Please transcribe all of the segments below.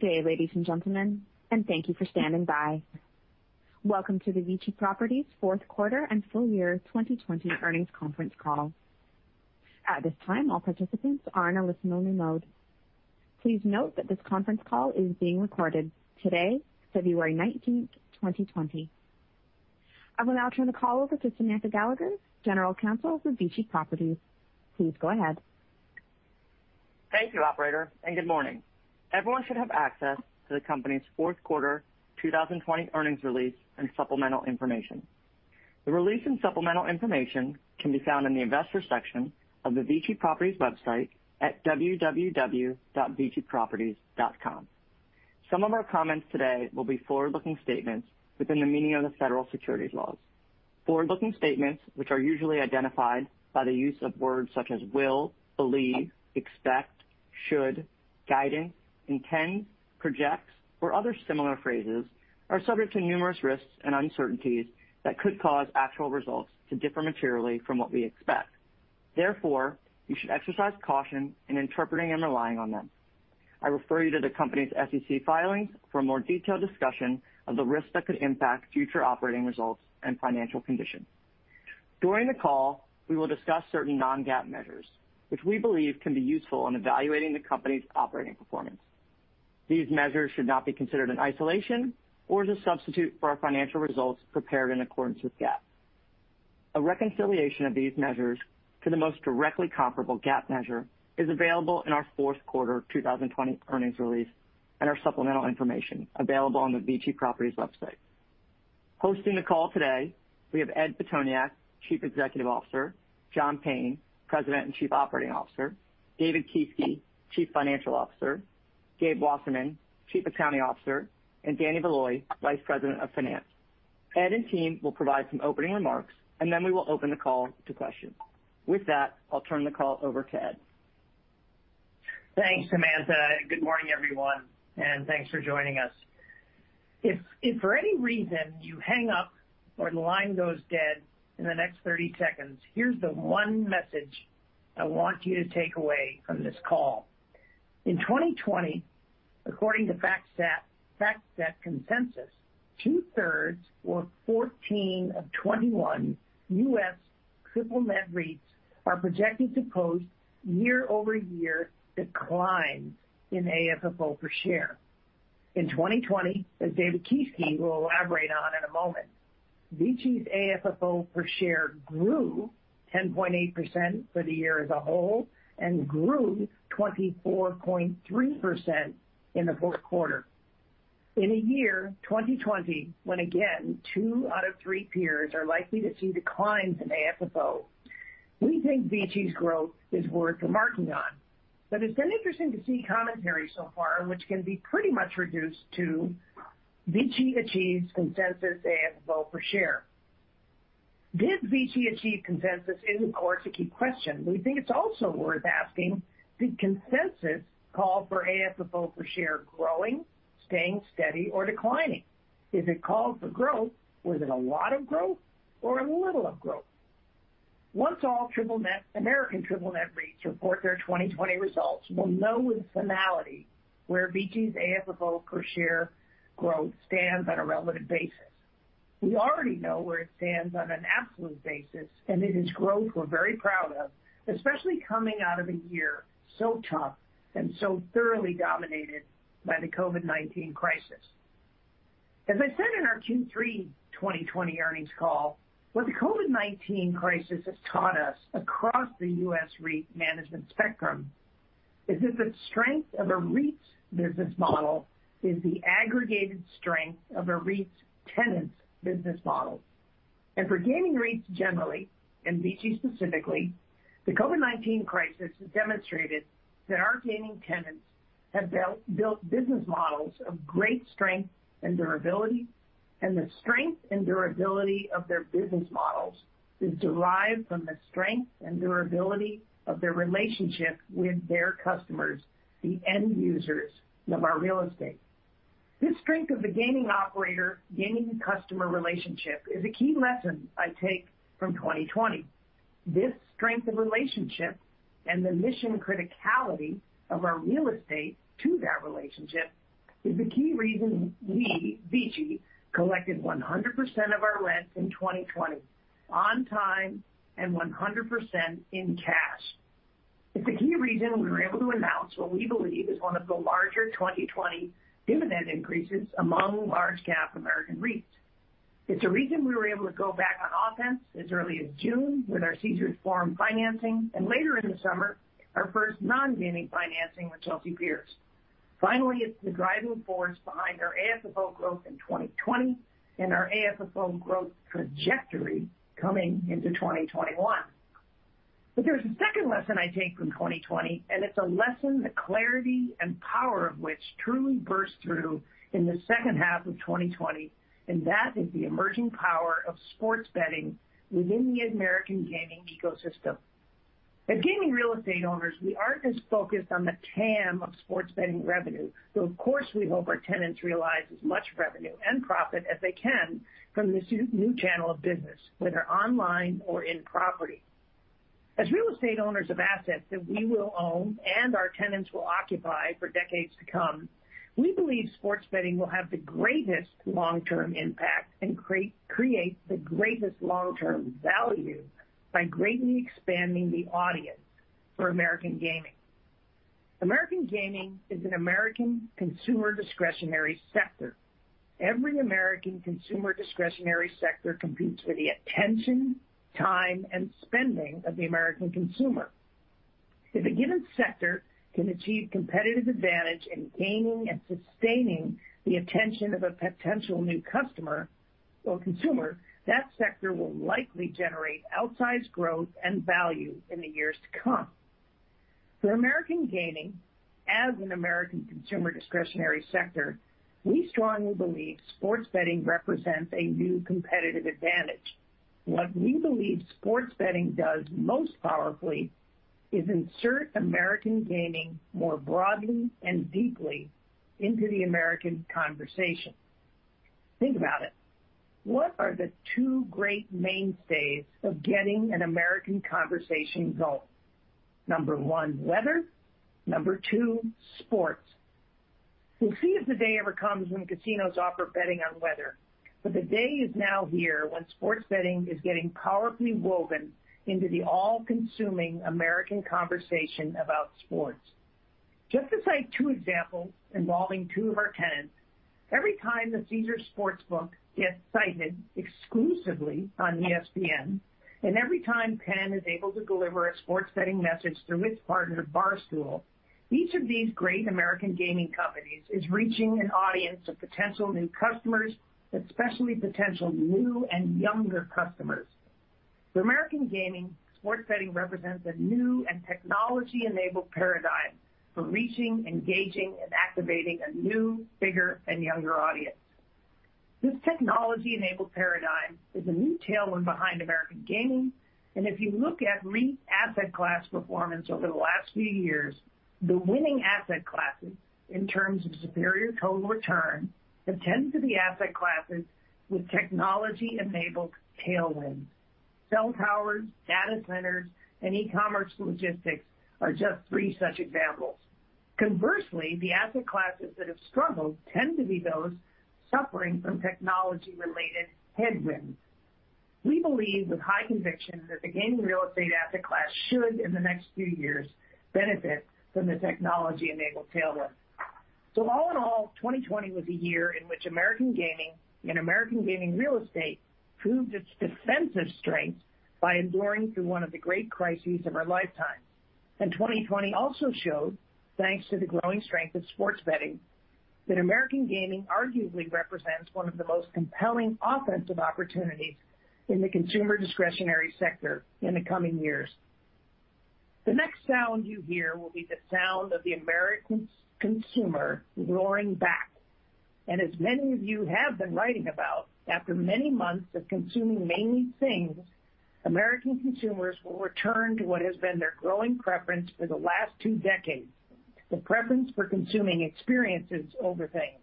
Good day, ladies and gentlemen, and thank you for standing by. Welcome to the VICI Properties fourth quarter and full year 2020 earnings conference call. At this time, all participants are in a listen-only mode. Please note that this conference call is being recorded today, February 19th, 2020. I will now turn the call over to Samantha Gallagher, General Counsel for VICI Properties. Please go ahead. Thank you, operator, and good morning. Everyone should have access to the company's fourth quarter 2020 earnings release and supplemental information. The release and supplemental information can be found in the Investors section of the VICI Properties website at www.viciproperties.com. Some of our comments today will be forward-looking statements within the meaning of the federal securities laws. Forward-looking statements, which are usually identified by the use of words such as will, believe, expect, should, guiding, intend, projects, or other similar phrases, are subject to numerous risks and uncertainties that could cause actual results to differ materially from what we expect. Therefore, you should exercise caution in interpreting and relying on them. I refer you to the company's SEC filings for a more detailed discussion of the risks that could impact future operating results and financial conditions. During the call, we will discuss certain non-GAAP measures which we believe can be useful in evaluating the company's operating performance. These measures should not be considered in isolation or as a substitute for our financial results prepared in accordance with GAAP. A reconciliation of these measures to the most directly comparable GAAP measure is available in our fourth quarter 2020 earnings release and our supplemental information available on the VICI Properties website. Hosting the call today, we have Ed Pitoniak, Chief Executive Officer, John Payne, President and Chief Operating Officer, David Kieske, Chief Financial Officer, Gabriel Wasserman, Chief Accounting Officer, and Danny Valoy, Vice President of Finance. Ed and team will provide some opening remarks, and then we will open the call to questions. With that, I'll turn the call over to Ed. Thanks, Samantha. Good morning, everyone, and thanks for joining us. If for any reason you hang up or the line goes dead in the next 30 seconds, here's the one message I want you to take away from this call. In 2020, according to FactSet consensus, two-thirds or 14 of 21 U.S. triple-net REITs are projected to post year-over-year declines in AFFO per share. In 2020, as David Kieske will elaborate on in a moment, VICI's AFFO per share grew 10.8% for the year as a whole and grew 24.3% in the fourth quarter. In a year, 2020, when again, two out of three peers are likely to see declines in AFFO, we think VICI's growth is worth marking on. It's been interesting to see commentary so far, which can be pretty much reduced to VICI achieves consensus AFFO per share. Did VICI achieve consensus is, of course, a key question. We think it's also worth asking, did consensus call for AFFO per share growing, staying steady, or declining? If it called for growth, was it a lot of growth or a little of growth? Once all American triple-net REITs report their 2020 results, we'll know with finality where VICI's AFFO per share growth stands on a relative basis. We already know where it stands on an absolute basis, and it is growth we're very proud of, especially coming out of a year so tough and so thoroughly dominated by the COVID-19 crisis. As I said in our Q3 2020 earnings call, what the COVID-19 crisis has taught us across the U.S. REIT management spectrum is that the strength of a REIT's business model is the aggregated strength of a REIT's tenant business model. For gaming REITs generally, and VICI specifically, the COVID-19 crisis has demonstrated that our gaming tenants have built business models of great strength and durability, and the strength and durability of their business models is derived from the strength and durability of their relationship with their customers, the end users of our real estate. This strength of the gaming operator-gaming customer relationship is a key lesson I take from 2020. This strength of relationship and the mission criticality of our real estate to that relationship is the key reason we, VICI, collected 100% of our rent in 2020 on time and 100% in cash. It's a key reason we were able to announce what we believe is one of the larger 2020 dividend increases among large cap American REITs. It's a reason we were able to go back on offense as early as June with our Caesars Forum financing, and later in the summer, our first non-gaming financing with Chelsea Piers. Finally, it's the driving force behind our AFFO growth in 2020 and our AFFO growth trajectory coming into 2021. There's a second lesson I take from 2020, and it's a lesson, the clarity and power of which truly burst through in the second half of 2020, and that is the emerging power of sports betting within the American gaming ecosystem. As gaming real estate owners, we aren't as focused on the TAM of sports betting revenue, though, of course, we hope our tenants realize as much revenue and profit as they can from this new channel of business, whether online or in property. As real estate owners of assets that we will own and our tenants will occupy for decades to come, we believe sports betting will have the greatest long-term impact and create the greatest long-term value by greatly expanding the audience for American gaming. American gaming is an American consumer discretionary sector. Every American consumer discretionary sector competes for the attention, time, and spending of the American consumer. If a given sector can achieve competitive advantage in gaining and sustaining the attention of a potential new customer or consumer, that sector will likely generate outsized growth and value in the years to come. For American gaming, as an American consumer discretionary sector, we strongly believe sports betting represents a new competitive advantage. What we believe sports betting does most powerfully is insert American gaming more broadly and deeply into the American conversation. Think about it. What are the two great mainstays of getting an American conversation going? Number one, weather. Number two, sports. We'll see if the day ever comes when casinos offer betting on weather, but the day is now here when sports betting is getting powerfully woven into the all-consuming American conversation about sports. Just to cite two examples involving two of our tenants, every time the Caesars Sportsbook gets cited exclusively on ESPN, and every time Penn is able to deliver a sports betting message through its partner Barstool, each of these great American gaming companies is reaching an audience of potential new customers, especially potential new and younger customers. For American gaming, sports betting represents a new and technology-enabled paradigm for reaching, engaging, and activating a new, bigger, and younger audience. This technology-enabled paradigm is a new tailwind behind American gaming. If you look at REIT asset class performance over the last few years, the winning asset classes, in terms of superior total return, have tended to be asset classes with technology-enabled tailwinds. Cell towers, data centers, and e-commerce logistics are just three such examples. Conversely, the asset classes that have struggled tend to be those suffering from technology-related headwinds. We believe with high conviction that the gaming real estate asset class should, in the next few years, benefit from the technology-enabled tailwind. All in all, 2020 was a year in which American gaming and American gaming real estate proved its defensive strength by enduring through one of the great crises of our lifetime. 2020 also showed, thanks to the growing strength of sports betting, that American gaming arguably represents one of the most compelling offensive opportunities in the consumer discretionary sector in the coming years. The next sound you hear will be the sound of the American consumer roaring back. As many of you have been writing about, after many months of consuming mainly things, American consumers will return to what has been their growing preference for the last two decades, the preference for consuming experiences over things.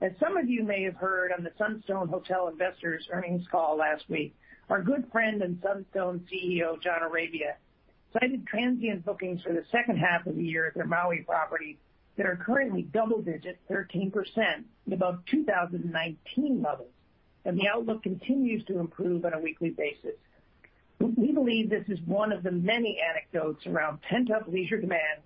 As some of you may have heard on the Sunstone Hotel Investors' earnings call last week, our good friend and Sunstone CEO, John Arabia, cited transient bookings for the second half of the year at their Maui property that are currently double-digit, 13%, above 2019 levels, and the outlook continues to improve on a weekly basis. We believe this is one of the many anecdotes around pent-up leisure demand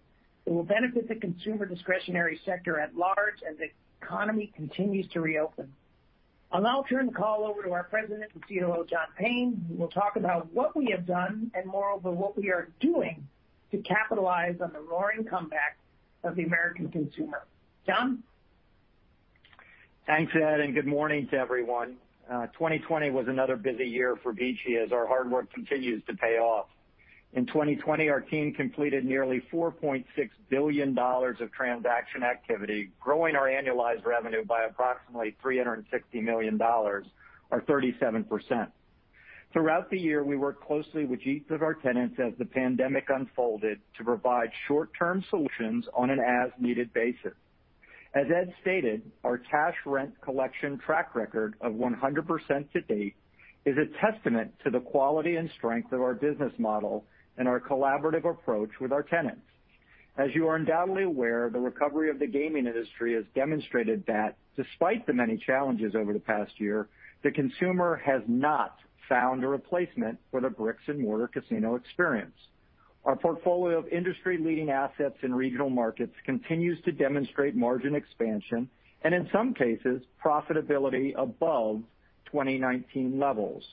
that will benefit the consumer discretionary sector at large as the economy continues to reopen. I'll now turn the call over to our President and COO, John Payne, who will talk about what we have done, and moreover, what we are doing to capitalize on the roaring comeback of the American consumer. John? Thanks, Ed, and good morning to everyone. 2020 was another busy year for VICI as our hard work continues to pay off. In 2020, our team completed nearly $4.6 billion of transaction activity, growing our annualized revenue by approximately $360 million, or 37%. Throughout the year, we worked closely with each of our tenants as the pandemic unfolded to provide short-term solutions on an as-needed basis. As Ed stated, our cash rent collection track record of 100% to date is a testament to the quality and strength of our business model and our collaborative approach with our tenants. As you are undoubtedly aware, the recovery of the gaming industry has demonstrated that despite the many challenges over the past year, the consumer has not found a replacement for the bricks and mortar casino experience. Our portfolio of industry-leading assets in regional markets continues to demonstrate margin expansion, and in some cases, profitability above 2019 levels.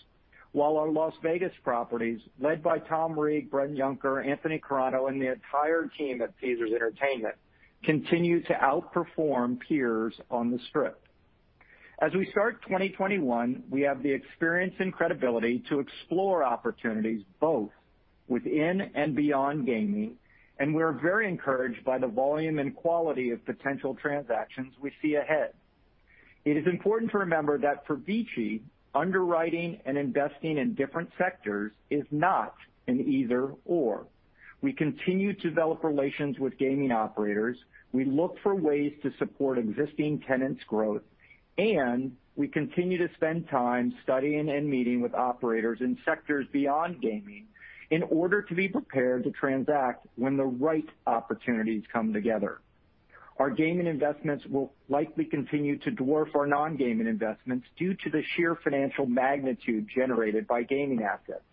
While our Las Vegas properties, led by Tom Reeg, Bret Yunker, Anthony Carano, and the entire team at Caesars Entertainment, continue to outperform peers on the Strip. As we start 2021, we have the experience and credibility to explore opportunities both within and beyond gaming, and we're very encouraged by the volume and quality of potential transactions we see ahead. It is important to remember that for VICI, underwriting and investing in different sectors is not an either/or. We continue to develop relations with gaming operators. We look for ways to support existing tenants' growth, and we continue to spend time studying and meeting with operators in sectors beyond gaming in order to be prepared to transact when the right opportunities come together. Our gaming investments will likely continue to dwarf our non-gaming investments due to the sheer financial magnitude generated by gaming assets.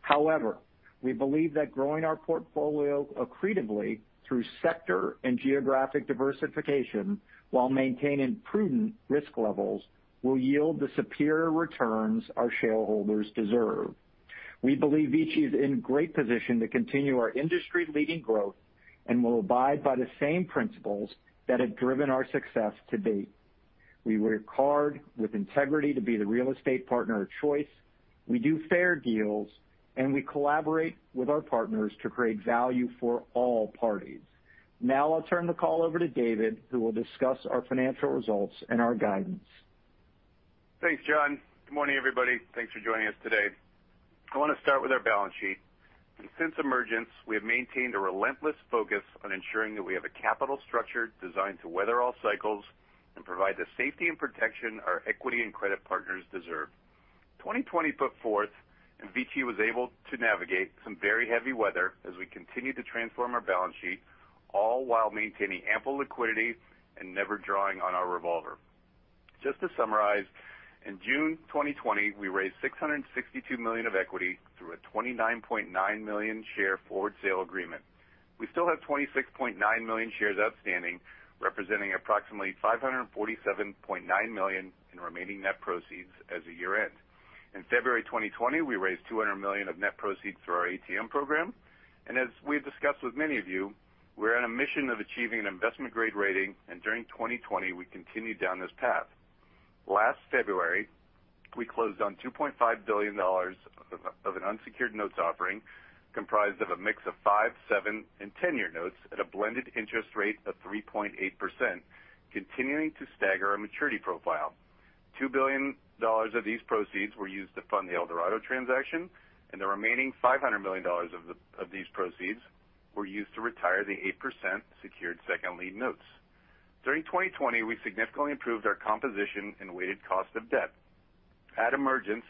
However, we believe that growing our portfolio accretively through sector and geographic diversification while maintaining prudent risk levels will yield the superior returns our shareholders deserve. We believe VICI is in great position to continue our industry-leading growth and will abide by the same principles that have driven our success to date. We work hard with integrity to be the real estate partner of choice, we do fair deals, and we collaborate with our partners to create value for all parties. Now I'll turn the call over to David, who will discuss our financial results and our guidance. Thanks, John. Good morning, everybody. Thanks for joining us today. I want to start with our balance sheet. Since emergence, we have maintained a relentless focus on ensuring that we have a capital structure designed to weather all cycles and provide the safety and protection our equity and credit partners deserve. 2020 put forth, VICI was able to navigate some very heavy weather as we continued to transform our balance sheet, all while maintaining ample liquidity and never drawing on our revolver. Just to summarize, in June 2020, we raised $662 million of equity through a 29.9 million-share forward sale agreement. We still have 26.9 million shares outstanding, representing approximately $547.9 million in remaining net proceeds as of year-end. In February 2020, we raised $200 million of net proceeds through our ATM program. As we've discussed with many of you, we're on a mission of achieving an investment-grade rating, and during 2020, we continued down this path. Last February, we closed on $2.5 billion of an unsecured notes offering comprised of a mix of five, seven, and 10-year notes at a blended interest rate of 3.8%, continuing to stagger our maturity profile. $2 billion of these proceeds were used to fund the Eldorado transaction, and the remaining $500 million of these proceeds were used to retire the 8% secured second lien notes. During 2020, we significantly improved our composition and weighted cost of debt. At emergence,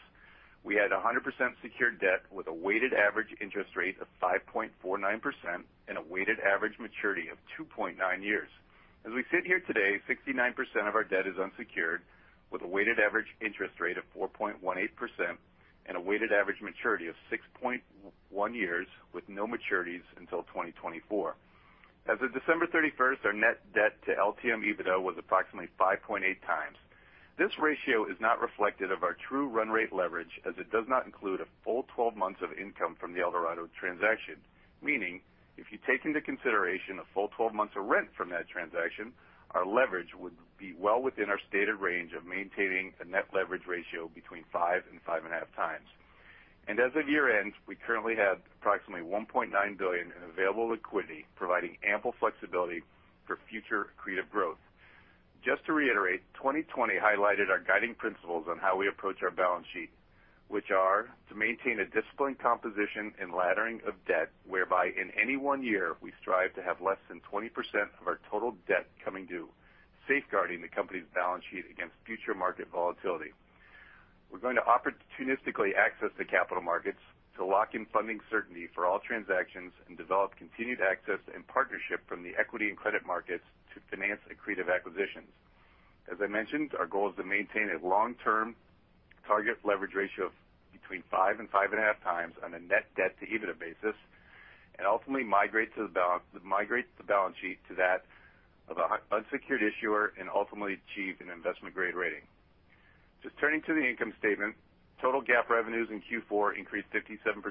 we had 100% secured debt with a weighted average interest rate of 5.49% and a weighted average maturity of 2.9 years. As we sit here today, 69% of our debt is unsecured, with a weighted average interest rate of 4.18% and a weighted average maturity of 6.1 years, with no maturities until 2024. As of December 31st, our net debt to LTM EBITDA was approximately 5.8 times. This ratio is not reflective of our true run rate leverage, as it does not include a full 12 months of income from the Eldorado transaction, meaning if you take into consideration a full 12 months of rent from that transaction, our leverage would be well within our stated range of maintaining a net leverage ratio between 5 and 5.5 times. As of year-end, we currently have approximately $1.9 billion in available liquidity, providing ample flexibility for future accretive growth. Just to reiterate, 2020 highlighted our guiding principles on how we approach our balance sheet, which are to maintain a disciplined composition and laddering of debt, whereby in any one year, we strive to have less than 20% of our total debt coming due, safeguarding the company's balance sheet against future market volatility. We're going to opportunistically access the capital markets to lock in funding certainty for all transactions and develop continued access and partnership from the equity and credit markets to finance accretive acquisitions. As I mentioned, our goal is to maintain a long-term target leverage ratio of between five and five and a half times on a net debt to EBITDA basis, and ultimately migrate the balance sheet to that of an unsecured issuer and ultimately achieve an investment-grade rating. Just turning to the income statement, total GAAP revenues in Q4 increased 57%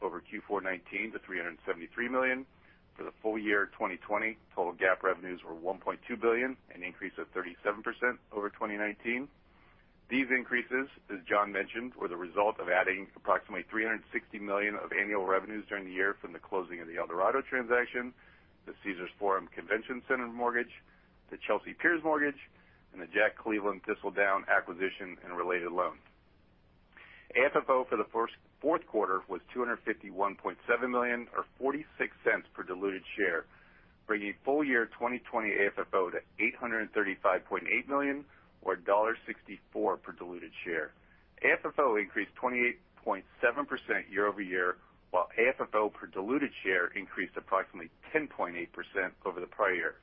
over Q4 2019 to $373 million. For the full year 2020, total GAAP revenues were $1.2 billion, an increase of 37% over 2019. These increases, as John mentioned, were the result of adding approximately $360 million of annual revenues during the year from the closing of the Eldorado transaction, the Caesars Forum Convention Center mortgage, the Chelsea Piers mortgage, and the JACK Cleveland Thistledown acquisition and related loans. AFFO for the fourth quarter was $251.7 million or $0.46 per diluted share, bringing full-year 2020 AFFO to $835.8 million or $1.64 per diluted share. AFFO increased 28.7% year-over-year, while AFFO per diluted share increased approximately 10.8% over the prior year,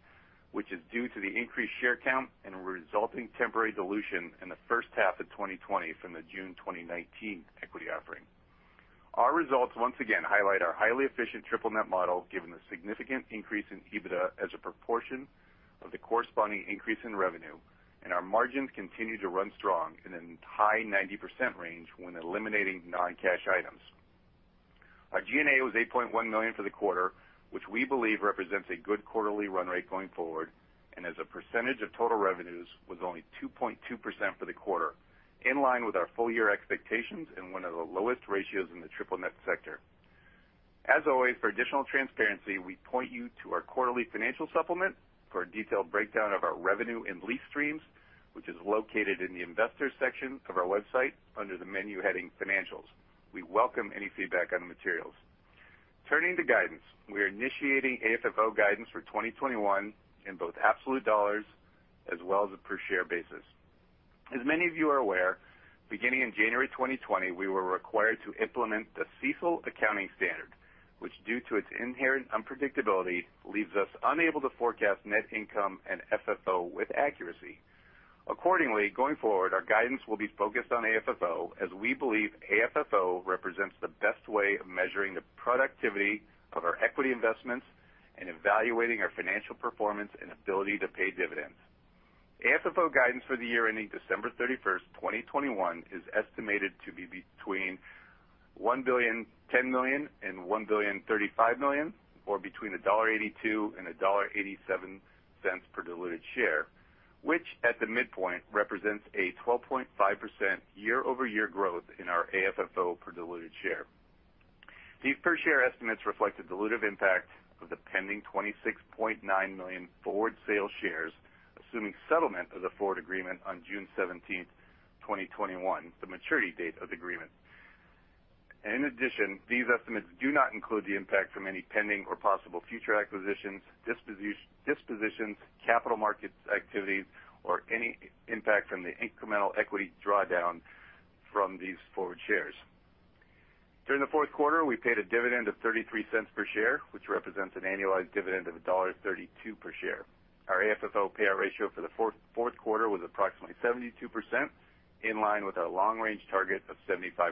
which is due to the increased share count and resulting temporary dilution in the first half of 2020 from the June 2019 equity offering. Our results once again highlight our highly efficient triple-net model, given the significant increase in EBITDA as a proportion of the corresponding increase in revenue, and our margins continue to run strong in the high 90% range when eliminating non-cash items. Our G&A was $8.1 million for the quarter, which we believe represents a good quarterly run rate going forward, and as a percentage of total revenues was only 2.2% for the quarter, in line with our full-year expectations and one of the lowest ratios in the triple-net sector. As always, for additional transparency, we point you to our quarterly financial supplement for a detailed breakdown of our revenue and lease streams, which is located in the Investors section of our website under the menu heading Financials. We welcome any feedback on the materials. Turning to guidance. We are initiating AFFO guidance for 2021 in both absolute dollars as well as a per share basis. Many of you are aware, beginning in January 2020, we were required to implement the CECL accounting standard, which due to its inherent unpredictability, leaves us unable to forecast net income and FFO with accuracy. Going forward, our guidance will be focused on AFFO as we believe AFFO represents the best way of measuring the productivity of our equity investments and evaluating our financial performance and ability to pay dividends. AFFO guidance for the year ending December 31st, 2021, is estimated to be between $1 billion, $10 million and $1 billion, $35 million or between $1.82 and $1.87 per diluted share, which at the midpoint represents a 12.5% year-over-year growth in our AFFO per diluted share. These per share estimates reflect the dilutive impact of the pending 26.9 million forward sale shares, assuming settlement of the forward agreement on June 17th, 2021, the maturity date of the agreement. In addition, these estimates do not include the impact from any pending or possible future acquisitions, dispositions, capital markets activities, or any impact from the incremental equity drawdown from these forward shares. During the fourth quarter, we paid a dividend of $0.33 per share, which represents an annualized dividend of $1.32 per share. Our AFFO payout ratio for the fourth quarter was approximately 72%, in line with our long-range target of 75%.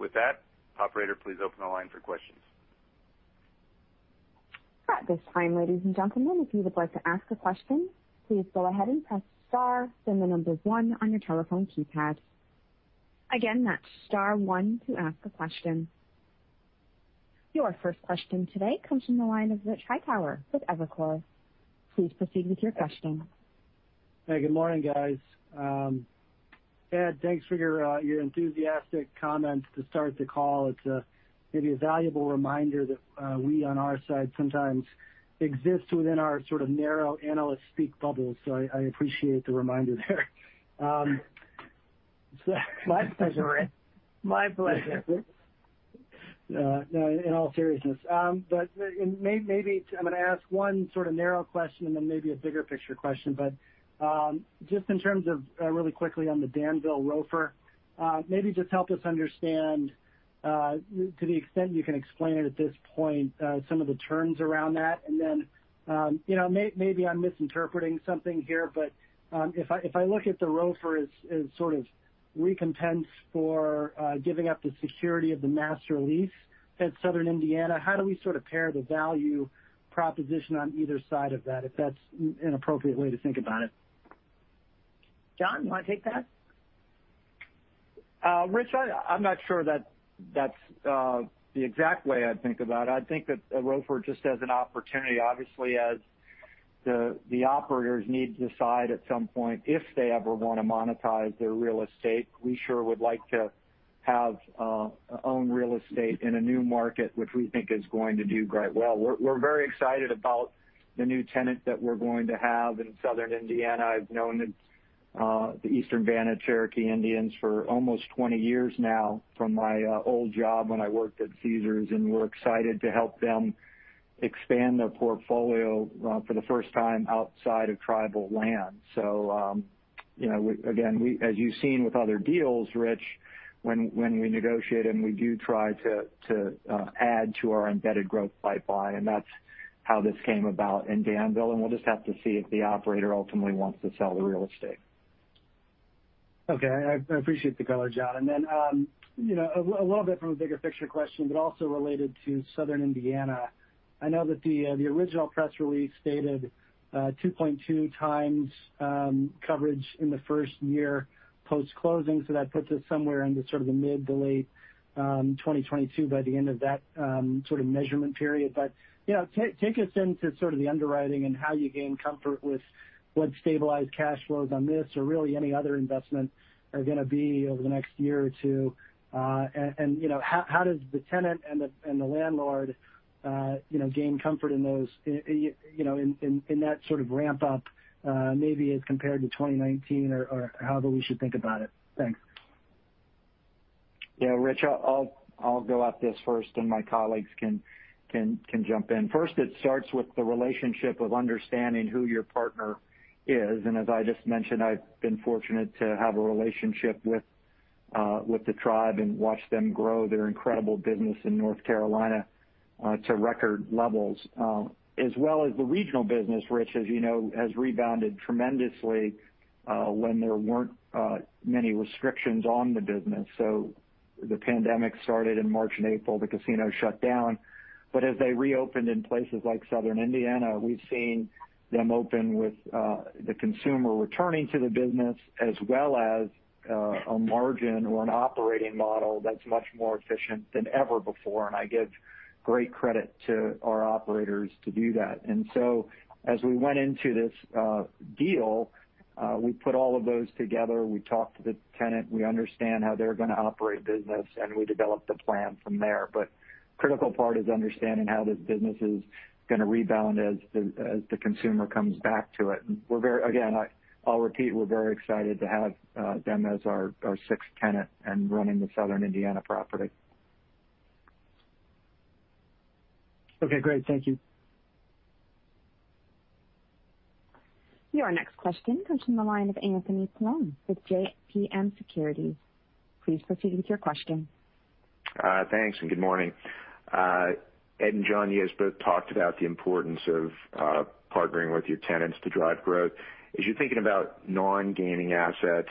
With that, operator, please open the line for questions. Your first question today comes from the line of Rich Hightower with Evercore. Please proceed with your question. Hey, good morning, guys. Ed, thanks for your enthusiastic comments to start the call. It's maybe a valuable reminder that we, on our side, sometimes exist within our sort of narrow analyst speak bubble. I appreciate the reminder there. My pleasure, Rich. My pleasure. No, in all seriousness. Maybe I'm going to ask one sort of narrow question and then maybe a bigger picture question. Just in terms of, really quickly on the Danville ROFR, maybe just help us understand, to the extent you can explain it at this point, some of the turns around that and then, maybe I'm misinterpreting something here, but, if I look at the ROFR as sort of recompense for giving up the security of the master lease at Southern Indiana, how do we sort of pair the value proposition on either side of that, if that's an appropriate way to think about it? John, you want to take that? Rich, I'm not sure that's the exact way I'd think about it. I think that a ROFR just as an opportunity, obviously, as the operators need to decide at some point if they ever want to monetize their real estate. We sure would like to own real estate in a new market, which we think is going to do great. We're very excited about the new tenant that we're going to have in Southern Indiana. I've known the Eastern Band of Cherokee Indians for almost 20 years now from my old job when I worked at Caesars, and we're excited to help them expand their portfolio for the first time outside of tribal land. Again, as you've seen with other deals, Rich, when we negotiate and we do try to add to our embedded growth pipeline, and that's how this came about in Danville, and we'll just have to see if the operator ultimately wants to sell the real estate. Okay. I appreciate the color, John. A little bit from a bigger picture question, but also related to Southern Indiana. I know that the original press release stated 2.2 times coverage in the first year post-closing. That puts us somewhere into sort of the mid to late 2022 by the end of that sort of measurement period. Take us into sort of the underwriting and how you gain comfort with what stabilized cash flows on this or really any other investment are going to be over the next year or two. How does the tenant and the landlord gain comfort in that sort of ramp up, maybe as compared to 2019 or however we should think about it? Thanks. Yeah, Rich, I'll go at this first and my colleagues can jump in. First, it starts with the relationship of understanding who your partner is. As I just mentioned, I've been fortunate to have a relationship with the tribe and watch them grow their incredible business in North Carolina to record levels. As well as the regional business, Rich, as you know, has rebounded tremendously, when there weren't many restrictions on the business. The pandemic started in March and April, the casinos shut down. As they reopened in places like Southern Indiana, we've seen them open with the consumer returning to the business as well as a margin or an operating model that's much more efficient than ever before, and I give great credit to our operators to do that. As we went into this deal, we put all of those together. We talked to the tenant. We understand how they're going to operate business, and we developed a plan from there. Critical part is understanding how this business is going to rebound as the consumer comes back to it. Again, I'll repeat, we're very excited to have them as our sixth tenant and running the Southern Indiana property. Okay, great. Thank you. Your next question comes from the line of Anthony Paolone with JPMorgan Securities. Please proceed with your question. Thanks, and good morning. Ed and John, you guys both talked about the importance of partnering with your tenants to drive growth. As you're thinking about non-gaming assets,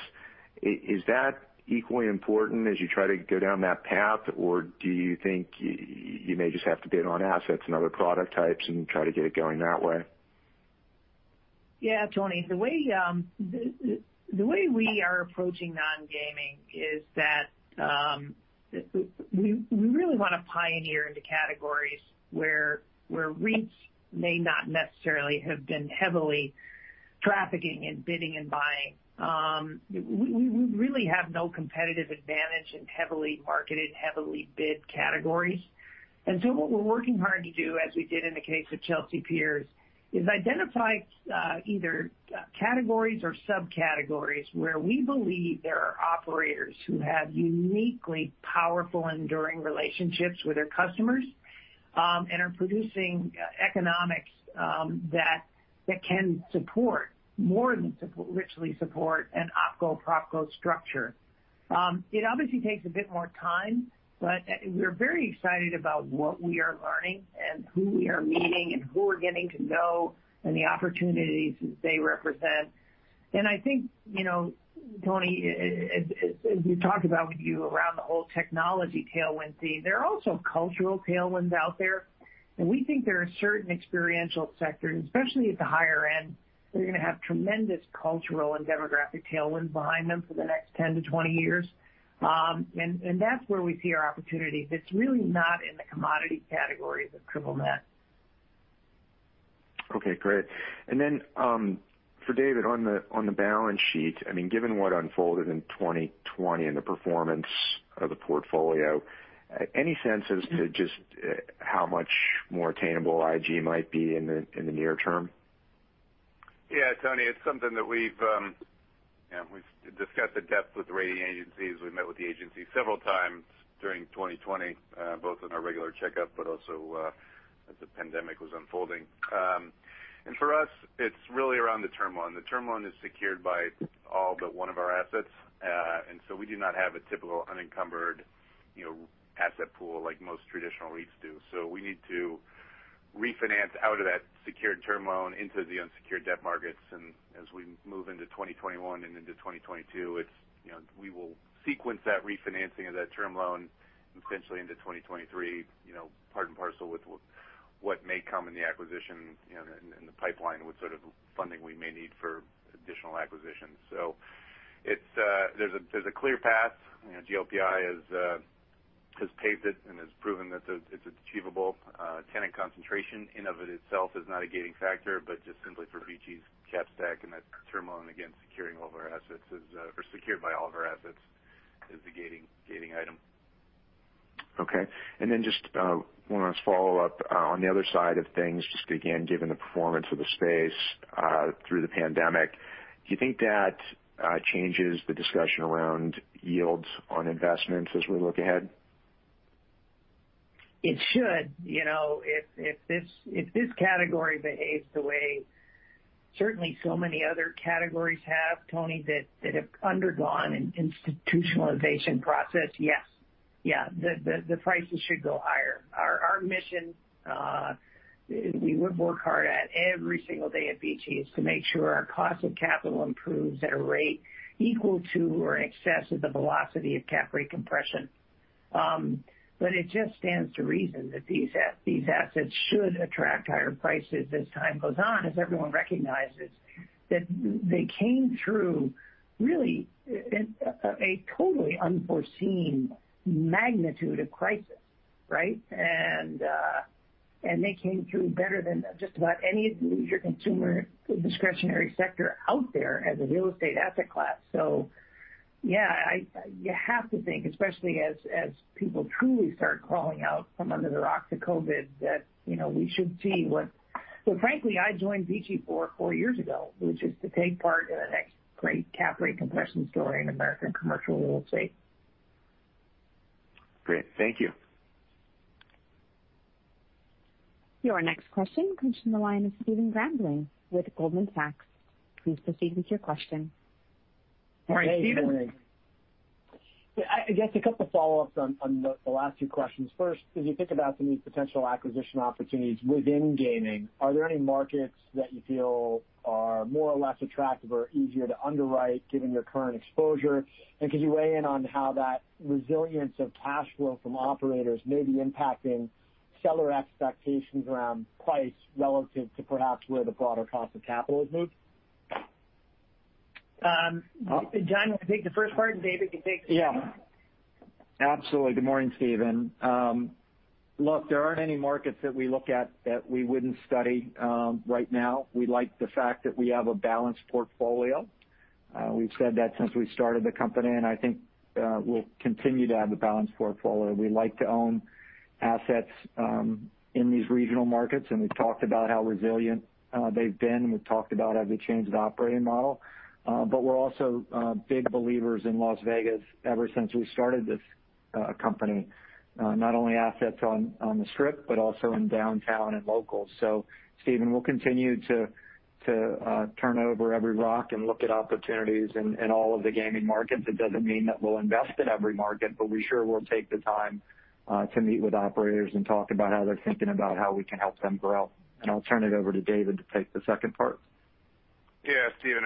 is that equally important as you try to go down that path, or do you think you may just have to bid on assets and other product types and try to get it going that way? Yeah, Tony, the way we are approaching non-gaming is that we really want to pioneer into categories where REITs may not necessarily have been heavily trafficking in bidding and buying. We really have no competitive advantage in heavily marketed, heavily bid categories. What we're working hard to do, as we did in the case of Chelsea Piers, is identify either categories or subcategories where we believe there are operators who have uniquely powerful, enduring relationships with their customers, and are producing economics that can more than richly support an OpCo-PropCo structure. It obviously takes a bit more time, we're very excited about what we are learning and who we are meeting and who we're getting to know and the opportunities that they represent. I think, Tony, as we talked about with you around the whole technology tailwind theme, there are also cultural tailwinds out there. We think there are certain experiential sectors, especially at the higher end, that are going to have tremendous cultural and demographic tailwinds behind them for the next 10-20 years. That's where we see our opportunities. It's really not in the commodity categories of triple-net. Okay, great. For David, on the balance sheet, given what unfolded in 2020 and the performance of the portfolio, any sense as to just how much more attainable IG might be in the near term? Yeah, Tony, it's something that we've discussed at depth with the rating agencies. We met with the agencies several times during 2020, both on our regular checkup, but also as the pandemic was unfolding. For us, it's really around the term loan. The term loan is secured by all but one of our assets. We do not have a typical unencumbered asset pool like most traditional REITs do. We need to refinance out of that secured term loan into the unsecured debt markets. As we move into 2021 and into 2022, we will sequence that refinancing of that term loan and potentially into 2023, part and parcel with what may come in the acquisition in the pipeline and what sort of funding we may need for additional acquisitions. There's a clear path. GLPI has paved it and has proven that it's achievable. Tenant concentration in and of itself is not a gating factor, but just simply for VICI's cap stack and that term loan, again, securing all of our assets or secured by all of our assets is the gating item. Okay. Just one last follow-up on the other side of things, just again, given the performance of the space through the pandemic. Do you think that changes the discussion around yields on investments as we look ahead? It should. If this category behaves the way certainly so many other categories have, Tony, that have undergone an institutionalization process, yes. The prices should go higher. Our mission we would work hard at every single day at VICI is to make sure our cost of capital improves at a rate equal to or in excess of the velocity of cap rate compression. It just stands to reason that these assets should attract higher prices as time goes on, as everyone recognizes that they came through, really, a totally unforeseen magnitude of crisis, right. They came through better than just about any leisure consumer discretionary sector out there as a real estate asset class. Yeah, you have to think, especially as people truly start crawling out from under the rocks of COVID, that we should see. Frankly, I joined VICI four years ago, which is to take part in the next great cap rate compression story in American commercial real estate. Great. Thank you. Your next question comes from the line of Stephen Grambling with Goldman Sachs. Please proceed with your question. Morning, Stephen. Hey, good morning. Yeah, I guess a couple of follow-ups on the last two questions. First, as you think about some of these potential acquisition opportunities within gaming, are there any markets that you feel are more or less attractive or easier to underwrite given your current exposure? Could you weigh in on how that resilience of cash flow from operators may be impacting seller expectations around price relative to perhaps where the broader cost of capital has moved? John, you can take the first part, and David can take the second. Yeah. Absolutely. Good morning, Stephen. Look, there aren't any markets that we look at that we wouldn't study right now. We like the fact that we have a balanced portfolio. We've said that since we started the company, and I think we'll continue to have a balanced portfolio. We like to own assets in these regional markets, and we've talked about how resilient they've been. We've talked about how they changed the operating model. We're also big believers in Las Vegas ever since we started this company. Not only assets on the Strip, but also in downtown and local. Stephen, we'll continue to turn over every rock and look at opportunities in all of the gaming markets. It doesn't mean that we'll invest in every market, but we sure will take the time to meet with operators and talk about how they're thinking about how we can help them grow. I'll turn it over to David to take the second part. Yeah. Stephen,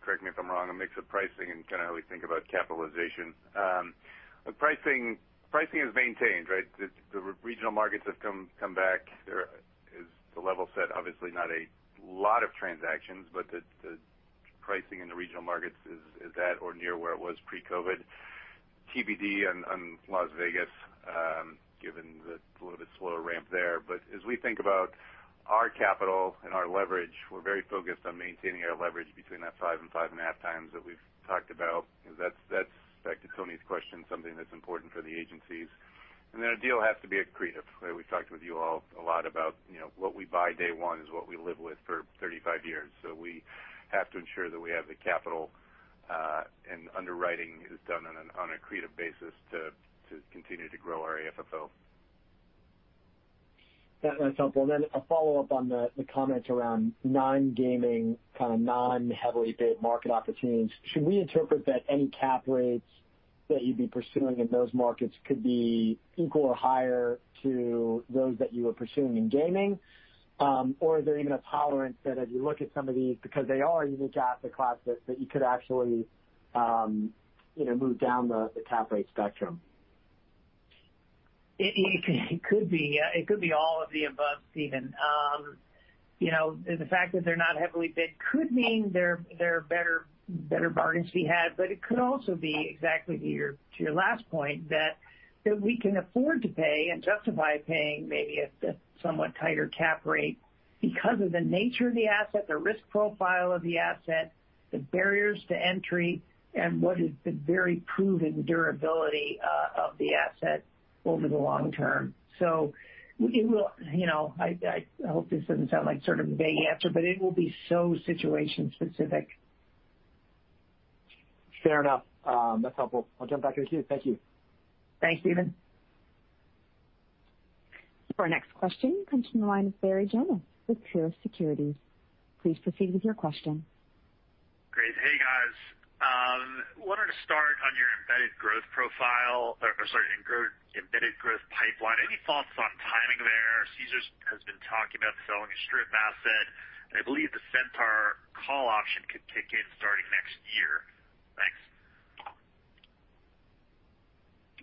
correct me if I'm wrong, a mix of pricing and kind of how we think about capitalization. The pricing is maintained, right? The regional markets have come back. Is the level set? Obviously not a lot of transactions, the pricing in the regional markets is at or near where it was pre-COVID. TBD on Las Vegas, given the little bit slower ramp there. As we think about our capital and our leverage, we're very focused on maintaining our leverage between that 5 and 5.5 times that we've talked about. Because that's, back to Tony's question, something that's important for the agencies. Then a deal has to be accretive, right? We've talked with you all a lot about what we buy day one is what we live with for 35 years. We have to ensure that we have the capital, and underwriting is done on an accretive basis to continue to grow our AFFO. That's helpful. A follow-up on the comments around non-gaming, kind of non-heavily bid market opportunities. Should we interpret that any cap rates that you'd be pursuing in those markets could be equal or higher to those that you were pursuing in gaming? Is there even a tolerance that as you look at some of these, because they are unique asset classes, that you could actually move down the cap rate spectrum? It could be all of the above, Stephen. The fact that they're not heavily bid could mean they're better bargains to be had. It could also be exactly to your last point, that we can afford to pay and justify paying maybe a somewhat tighter cap rate because of the nature of the asset, the risk profile of the asset, the barriers to entry, and what has been very proven durability of the asset over the long term. I hope this doesn't sound like sort of a vague answer, but it will be so situation specific. Fair enough. That's helpful. I'll jump back in the queue. Thank you. Thanks, Stephen. Our next question comes from the line of Barry Jonas with Truist Securities. Please proceed with your question. Great. Hey, guys. Wanted to start on your embedded growth profile, or sorry, embedded growth pipeline. Any thoughts on timing there? Caesars has been talking about selling a Strip asset, and I believe the Centaur call option could kick in starting next year. Thanks.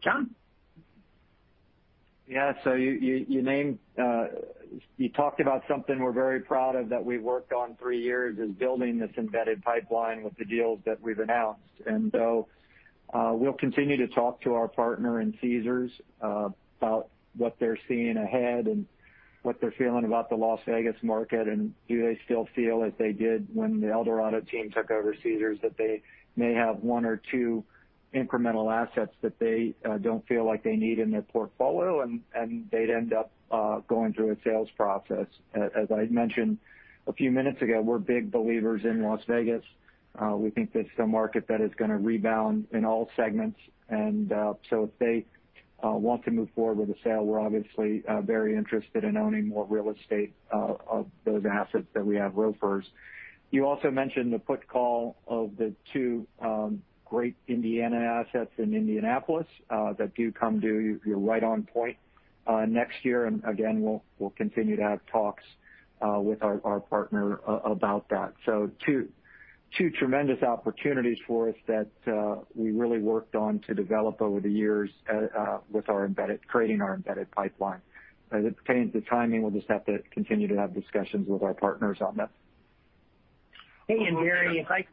John? You talked about something we're very proud of that we worked on three years, is building this embedded pipeline with the deals that we've announced. We'll continue to talk to our partner in Caesars about what they're seeing ahead and what they're feeling about the Las Vegas market, and do they still feel as they did when the Eldorado team took over Caesars, that they may have one or two incremental assets that they don't feel like they need in their portfolio, and they'd end up going through a sales process. As I mentioned a few minutes ago, we're big believers in Las Vegas. We think this is a market that is going to rebound in all segments. If they want to move forward with a sale, we're obviously very interested in owning more real estate of those assets that we have ROFRs. You also mentioned the put call of the two great Indiana assets in Indianapolis that do come due, you're right on point, next year. Again, we'll continue to have talks with our partner about that. Two tremendous opportunities for us that we really worked on to develop over the years creating our embedded pipeline. As it pertains to timing, we'll just have to continue to have discussions with our partners on that. Hey, Barry, if I.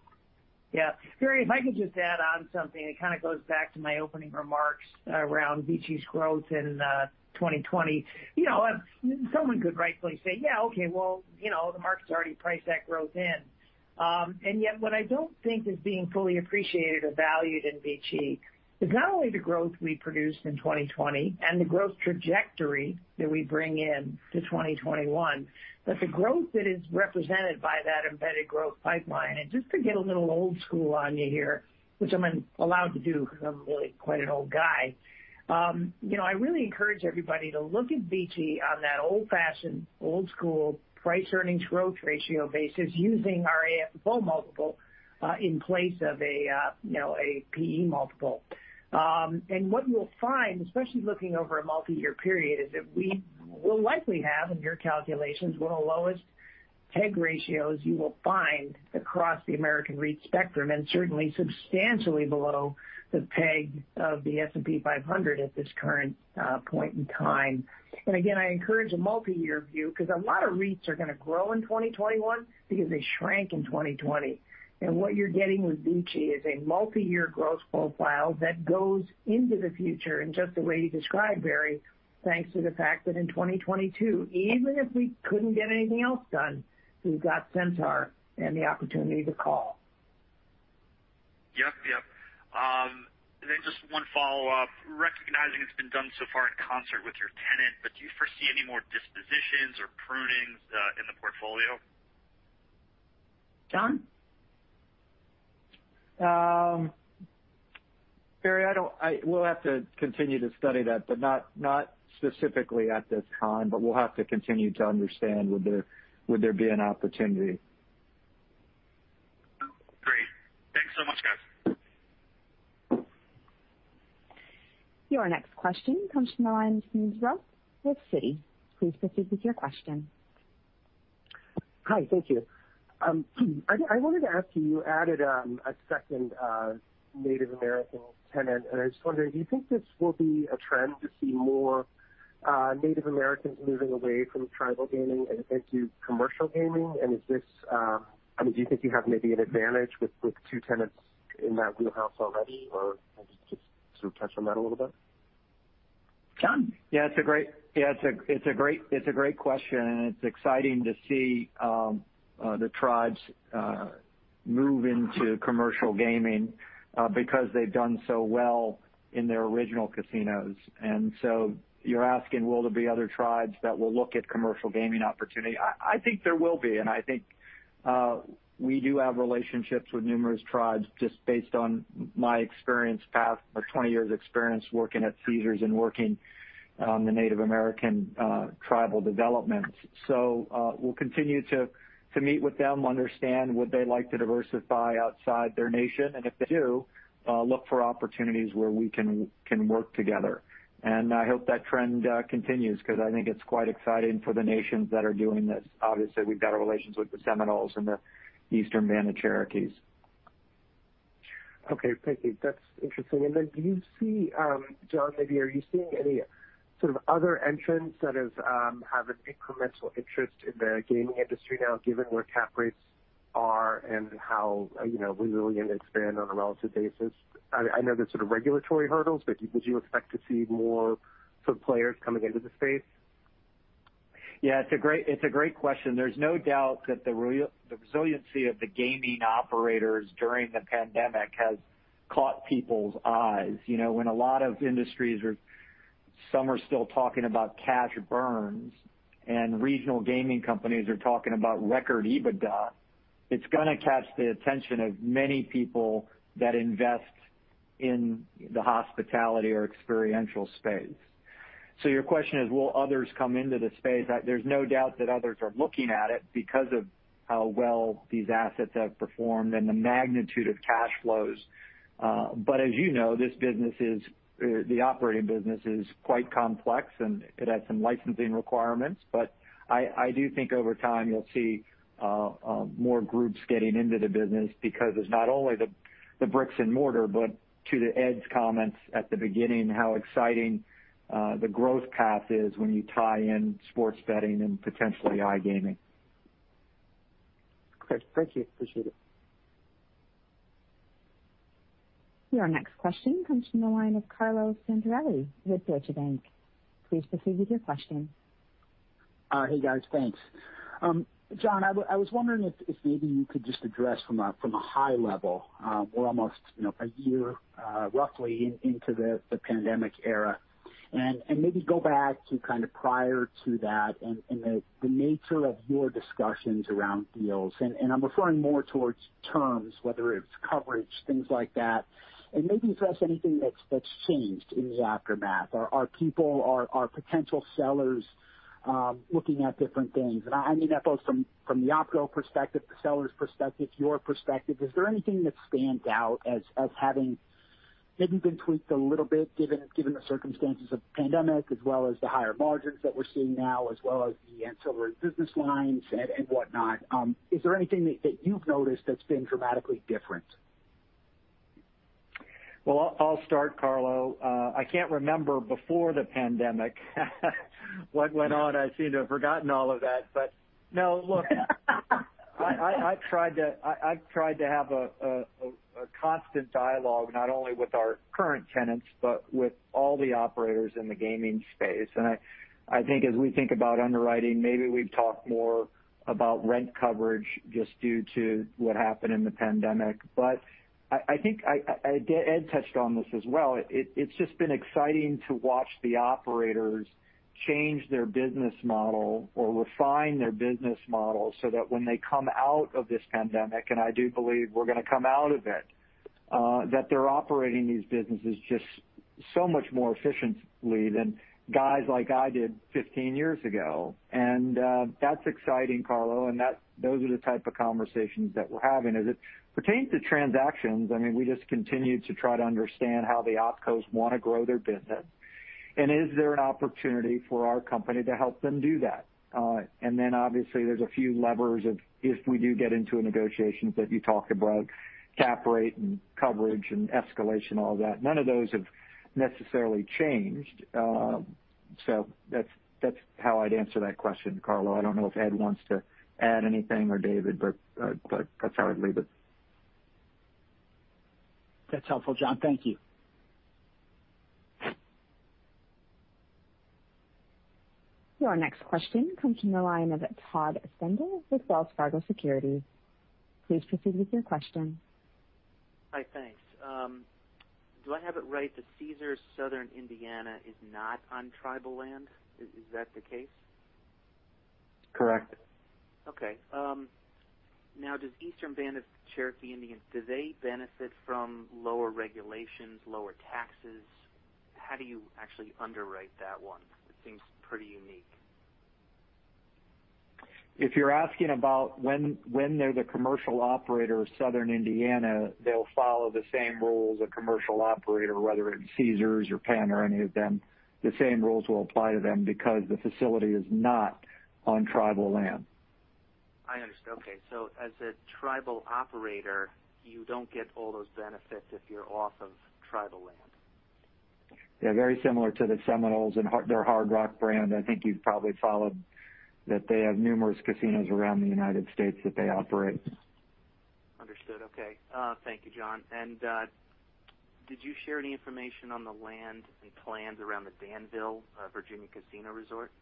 Okay. Barry, if I could just add on something, it kind of goes back to my opening remarks around VICI's growth in 2020. Someone could rightfully say, "The market's already priced that growth in." Yet, what I don't think is being fully appreciated or valued in VICI is not only the growth we produced in 2020 and the growth trajectory that we bring in to 2021, but the growth that is represented by that embedded growth pipeline. Just to get a little old school on you here, which I'm allowed to do because I'm really quite an old guy. I really encourage everybody to look at VICI on that old-fashioned, old school price-earnings growth ratio basis using our AFFO multiple, in place of a PE multiple. What you'll find, especially looking over a multi-year period, is that we will likely have in your calculations, one of the lowest PEG ratios you will find across the American REIT spectrum, and certainly substantially below the PEG of the S&P 500 at this current point in time. Again, I encourage a multi-year view because a lot of REITs are going to grow in 2021 because they shrank in 2020. What you're getting with VICI is a multi-year growth profile that goes into the future in just the way you described, Barry, thanks to the fact that in 2022, even if we couldn't get anything else done, we've got Centaur and the opportunity to call. Yep. Just one follow-up. Recognizing it's been done so far in concert with your tenant, but do you foresee any more dispositions or prunings in the portfolio? John? Barry, we'll have to continue to study that, but not specifically at this time. We'll have to continue to understand would there be an opportunity. Great. Thanks so much, guys. Your next question comes from the line from Smedes Rose with Citi. Please proceed with your question. Hi. Thank you. I wanted to ask you added a second Native American tenant, and I was just wondering, do you think this will be a trend to see more Native Americans moving away from tribal gaming and into commercial gaming? Do you think you have maybe an advantage with two tenants in that wheelhouse already? Maybe just sort of touch on that a little bit. John? Yeah, it's a great question. It's exciting to see the tribes move into commercial gaming because they've done so well in their original casinos. You're asking, will there be other tribes that will look at commercial gaming opportunity? I think there will be. I think we do have relationships with numerous tribes, just based on my experience, 20 years experience working at Caesars and working on the Native American tribal developments. We'll continue to meet with them, understand would they like to diversify outside their nation, and if they do, look for opportunities where we can work together. I hope that trend continues because I think it's quite exciting for the nations that are doing this. Obviously, we've got our relations with the Seminoles and the Eastern Band of Cherokees. Okay. Thank you. That's interesting. Do you see, John, maybe are you seeing any sort of other entrants that have an incremental interest in the gaming industry now, given where cap rates are and how resilient it's been on a relative basis? I know there's sort of regulatory hurdles, but did you expect to see more sort of players coming into the space? Yeah, it's a great question. There's no doubt that the resiliency of the gaming operators during the pandemic has caught people's eyes. When a lot of industries are, some are still talking about cash burns, and regional gaming companies are talking about record EBITDA, it's going to catch the attention of many people that invest in the hospitality or experiential space. Your question is, will others come into the space? There's no doubt that others are looking at it because of how well these assets have performed and the magnitude of cash flows. As you know, the operating business is quite complex, and it has some licensing requirements. I do think over time you'll see more groups getting into the business because it's not only the bricks and mortar, but to Ed's comments at the beginning, how exciting the growth path is when you tie in sports betting and potentially iGaming. Great. Thank you. Appreciate it. Your next question comes from the line of Carlo Santarelli with Deutsche Bank. Please proceed with your question. Hey, guys. Thanks. John, I was wondering if maybe you could just address from a high level. We're almost a year, roughly, into the pandemic era, and maybe go back to kind of prior to that and the nature of your discussions around deals. I'm referring more towards terms, whether it's coverage, things like that, and maybe address anything that's changed in the aftermath. Are people, are potential sellers looking at different things? I mean that both from the OpCo perspective, the seller's perspective, your perspective. Is there anything that stands out as having maybe been tweaked a little bit given the circumstances of the pandemic as well as the higher margins that we're seeing now, as well as the ancillary business lines and whatnot? Is there anything that you've noticed that's been dramatically different? Well, I'll start, Carlo. I can't remember before the pandemic what went on. I seem to have forgotten all of that. No, look. I've tried to have a constant dialogue, not only with our current tenants, but with all the operators in the gaming space. I think as we think about underwriting, maybe we've talked more about rent coverage just due to what happened in the pandemic. I think, Ed touched on this as well. It's just been exciting to watch the operators change their business model or refine their business model so that when they come out of this pandemic, and I do believe we're going to come out of it, that they're operating these businesses just so much more efficiently than guys like I did 15 years ago. That's exciting, Carlo, and those are the type of conversations that we're having. As it pertains to transactions, we just continue to try to understand how the OpCos want to grow their business, and is there an opportunity for our company to help them do that. Obviously there's a few levers of if we do get into a negotiation that you talked about, cap rate and coverage and escalation, all that. None of those have necessarily changed. That's how I'd answer that question, Carlo. I don't know if Ed wants to add anything, or David, but that's how I'd leave it. That's helpful, John. Thank you. Your next question comes from the line of Todd Stender with Wells Fargo Securities. Please proceed with your question. Hi, thanks. Do I have it right that Caesars Southern Indiana is not on tribal land? Is that the case? Correct. Okay. Does Eastern Band of Cherokee Indians, do they benefit from lower regulations, lower taxes? How do you actually underwrite that one? It seems pretty unique. If you're asking about when they're the commercial operator of Southern Indiana, they'll follow the same rules a commercial operator, whether it's Caesars or Penn or any of them, the same rules will apply to them because the facility is not on tribal land. I understand. Okay. As a tribal operator, you don't get all those benefits if you're off of tribal land. Yeah, very similar to the Seminoles and their Hard Rock brand. I think you've probably followed that they have numerous casinos around the U.S. that they operate. Understood. Okay. Thank you, John. Did you share any information on the land and plans around the Danville, Virginia, casino resort?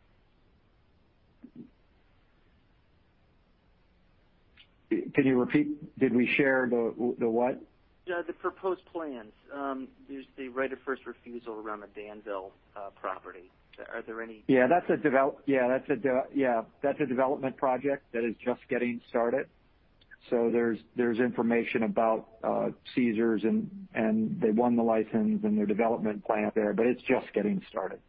Can you repeat, did we share the what? Yeah, the proposed plans. There's the right of first refusal around the Danville property. Are there any. That's a development project that is just getting started. There's information about Caesars and they won the license and their development plan there, but it's just getting started.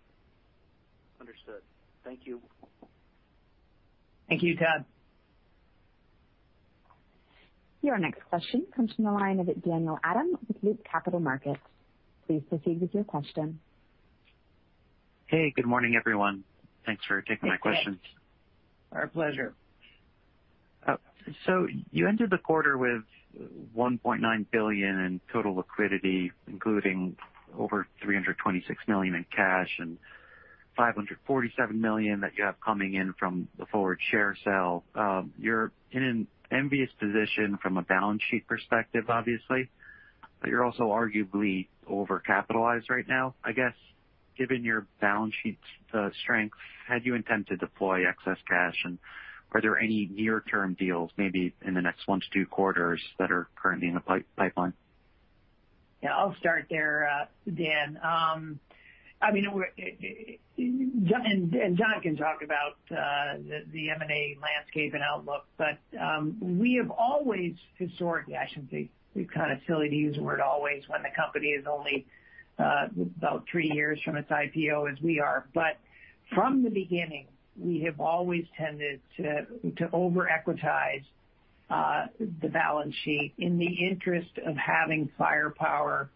Understood. Thank you. Thank you, Todd. Your next question comes from the line of Daniel Adam with Loop Capital Markets. Please proceed with your question. Hey, good morning, everyone. Thanks for taking my questions. Our pleasure. You ended the quarter with $1.9 billion in total liquidity, including over $326 million in cash and $547 million that you have coming in from the Forward Share sale. You're in an envious position from a balance sheet perspective, obviously, but you're also arguably over-capitalized right now. I guess, given your balance sheet strength, how do you intend to deploy excess cash and are there any near-term deals, maybe in the next one to two quarters that are currently in the pipeline? Yeah, I'll start there, Dan. John can talk about the M&A landscape and outlook. We have always, historically, I shouldn't say, it's kind of silly to use the word always when the company is only about three years from its IPO as we are. From the beginning, we have always tended to over-equitize the balance sheet in the interest of having firepower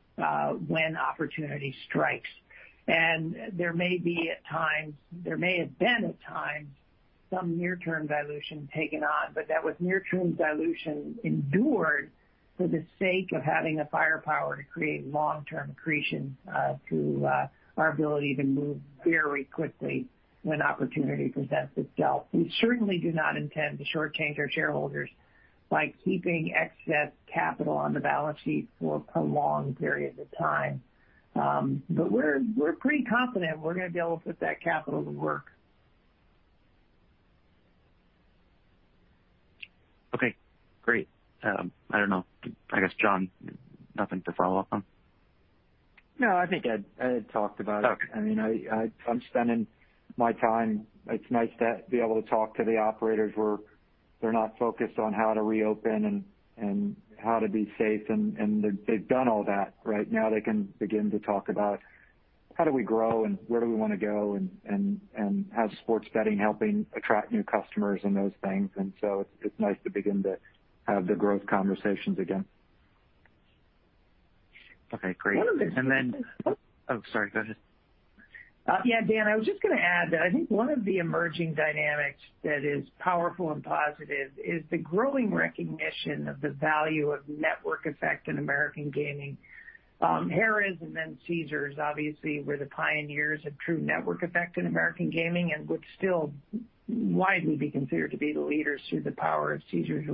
when opportunity strikes. There may have been at times some near-term dilution taken on, but that was near-term dilution endured for the sake of having the firepower to create long-term accretion through our ability to move very quickly when opportunity presents itself. We certainly do not intend to shortchange our shareholders by keeping excess capital on the balance sheet for prolonged periods of time. We're pretty confident we're going to be able to put that capital to work. Okay, great. I don't know. I guess, John, nothing to follow up on? No, I think Ed talked about it. Okay. It's nice to be able to talk to the operators where they're not focused on how to reopen and how to be safe, and they've done all that. Right now they can begin to talk about how do we grow and where do we want to go and have sports betting helping attract new customers and those things. It's nice to begin to have the growth conversations again. Okay, great. One of the- Oh, sorry, go ahead. Dan, I was just going to add that I think one of the emerging dynamics that is powerful and positive is the growing recognition of the value of network effect in American gaming. Harrah's and then Caesars obviously were the pioneers of true network effect in American gaming and would still widely be considered to be the leaders through the power of Caesars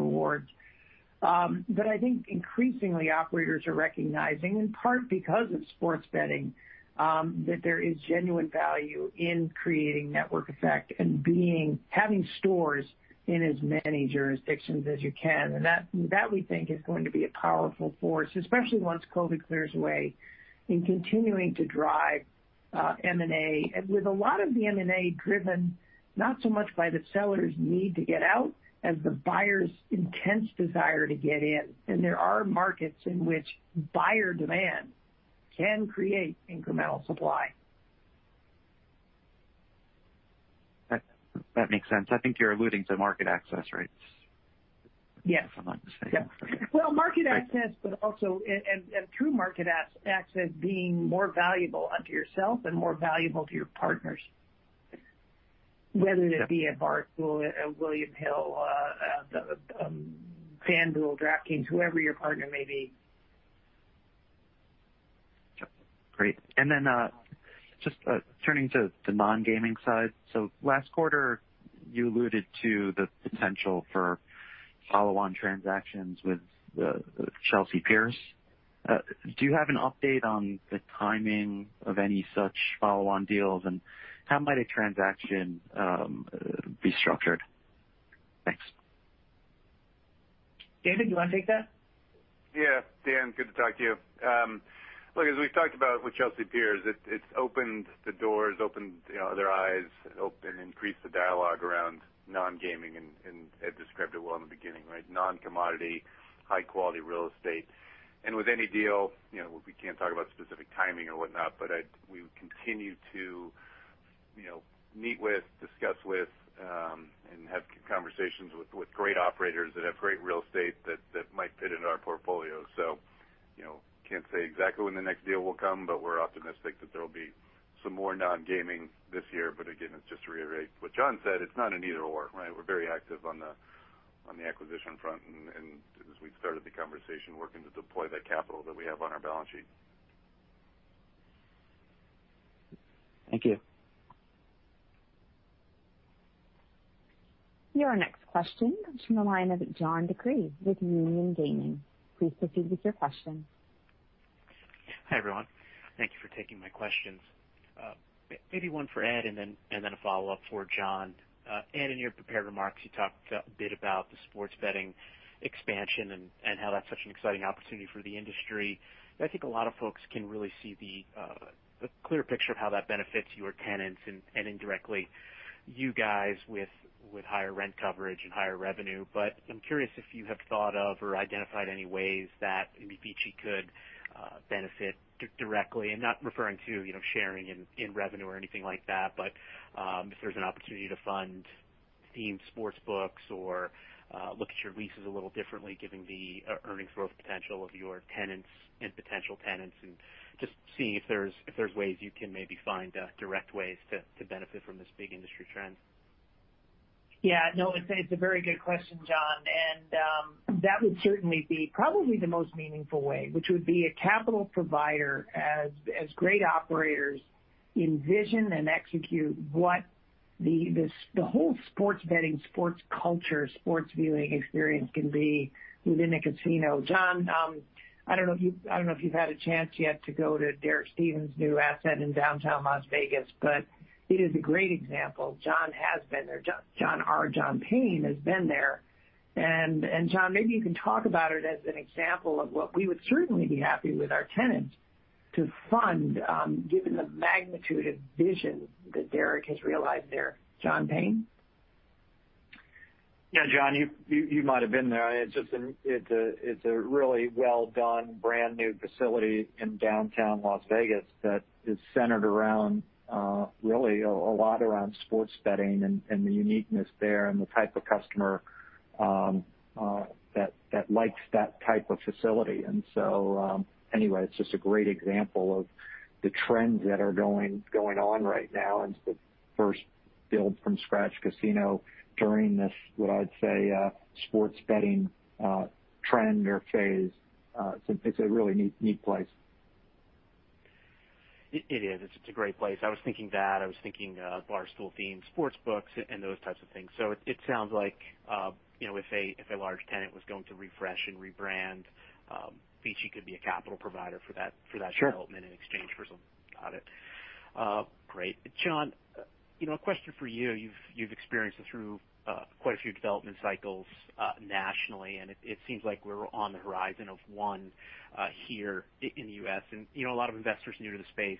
Rewards. I think increasingly, operators are recognizing, in part because of sports betting, that there is genuine value in creating network effect and having stores in as many jurisdictions as you can. That we think is going to be a powerful force, especially once COVID clears away, in continuing to drive M&A. With a lot of the M&A driven, not so much by the seller's need to get out, as the buyer's intense desire to get in. There are markets in which buyer demand can create incremental supply. That makes sense. I think you're alluding to market access, right? Yes. If I'm not mistaken. Well, market access, but also, and through market access, being more valuable unto yourself and more valuable to your partners, whether it be a Barstool, a William Hill, a FanDuel, DraftKings, whoever your partner may be. Great. Just turning to the non-gaming side. Last quarter, you alluded to the potential for follow-on transactions with Chelsea Piers. Do you have an update on the timing of any such follow-on deals, and how might a transaction be structured? Thanks. David, do you want to take that? Yeah. Dan, good to talk to you. As we've talked about with Chelsea Piers, it's opened the doors, opened their eyes, increased the dialogue around non-gaming. Ed described it well in the beginning, right? Non-commodity, high-quality real estate. With any deal, we can't talk about specific timing or whatnot. We continue to meet with, discuss with, and have conversations with great operators that have great real estate that might fit into our portfolio. Can't say exactly when the next deal will come, we're optimistic that there'll be some more non-gaming this year. Again, just to reiterate what John said, it's not an either/or, right? We're very active on the acquisition front, as we started the conversation, working to deploy that capital that we have on our balance sheet. Thank you. Your next question comes from the line of John DeCree with Union Gaming. Please proceed with your question. Hi, everyone. Thank you for taking my questions. Maybe one for Ed and then a follow-up for John. Ed, in your prepared remarks, you talked a bit about the sports betting expansion and how that's such an exciting opportunity for the industry. I think a lot of folks can really see the clear picture of how that benefits your tenants and indirectly you guys with higher rent coverage and higher revenue. I'm curious if you have thought of or identified any ways that maybe VICI could benefit directly, and not referring to sharing in revenue or anything like that, but if there's an opportunity to fund themed sports books or look at your leases a little differently given the earnings growth potential of your tenants and potential tenants, and just seeing if there's ways you can maybe find direct ways to benefit from this big industry trend. Yeah, no, it's a very good question, John. That would certainly be probably the most meaningful way, which would be a capital provider as great operators envision and execute what the whole sports betting, sports culture, sports viewing experience can be within a casino. John, I don't know if you've had a chance yet to go to Derek Stevens' new asset in downtown Las Vegas, but it is a great example. John has been there. John R., John Payne has been there. John, maybe you can talk about it as an example of what we would certainly be happy with our tenants to fund, given the magnitude and vision that Derek has realized there. John Payne? Yeah, John, you might have been there. It's a really well-done, brand-new facility in downtown Las Vegas that is centered around, really a lot around sports betting and the uniqueness there and the type of customer that likes that type of facility. Anyway, it's just a great example of the trends that are going on right now. It's the first build-from-scratch casino during this, what I'd say, sports betting trend or phase. It's a really neat place. It is. It's a great place. I was thinking that, I was thinking Barstool-themed sportsbooks and those types of things. It sounds like, if a large tenant was going to refresh and rebrand, VICI could be a capital provider for that. Sure. Development in exchange for some profit. Great. John, a question for you. You've experienced it through quite a few development cycles nationally, and it seems like we're on the horizon of one here in the U.S., and a lot of investors new to the space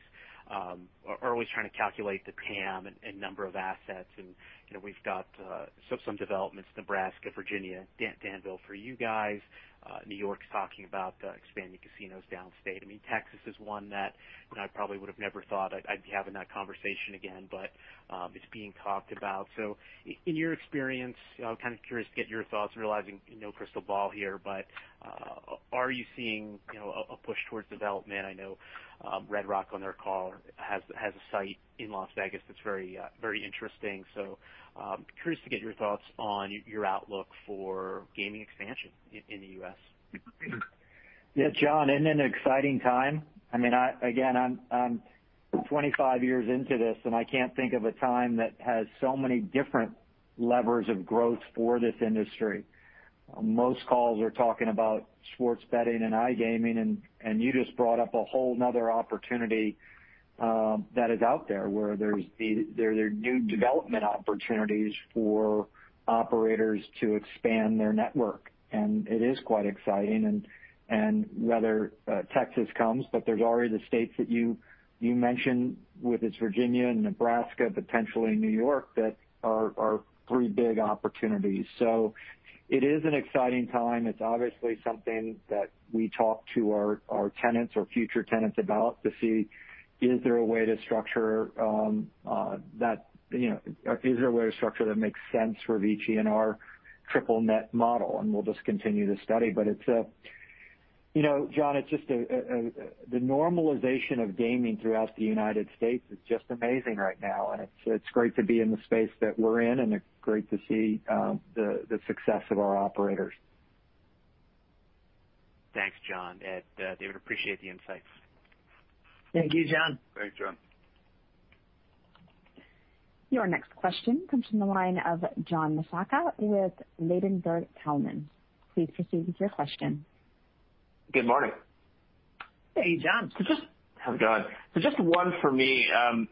are always trying to calculate the TAM and number of assets, and we've got some developments, Nebraska, Virginia, Danville for you guys. New York's talking about expanding casinos downstate. Texas is one that I probably would've never thought I'd be having that conversation again, but it's being talked about. In your experience, I'm kind of curious to get your thoughts, realizing no crystal ball here, but are you seeing a push towards development? I know Red Rock on their call has a site in Las Vegas that's very interesting. Curious to get your thoughts on your outlook for gaming expansion in the U.S. Yeah, John, isn't it an exciting time? Again, I'm 25 years into this, and I can't think of a time that has so many different levers of growth for this industry. Most calls are talking about sports betting and iGaming, and you just brought up a whole another opportunity that is out there where there are new development opportunities for operators to expand their network, and it is quite exciting. Whether Texas comes, but there's already the states that you mentioned, whether it's Virginia, Nebraska, potentially New York, that are three big opportunities. It is an exciting time. It's obviously something that we talk to our tenants or future tenants about to see, is there a way to structure that makes sense for VICI and our triple-net model, and we'll just continue to study. John, the normalization of gaming throughout the United States is just amazing right now, and it's great to be in the space that we're in, and it's great to see the success of our operators. Thanks, John, Ed, David, appreciate the insights. Thank you, John. Thanks, John. Your next question comes from the line of John Massocca with Ladenburg Thalmann. Please proceed with your question. Good morning. Hey, John. How's it going? Just one for me.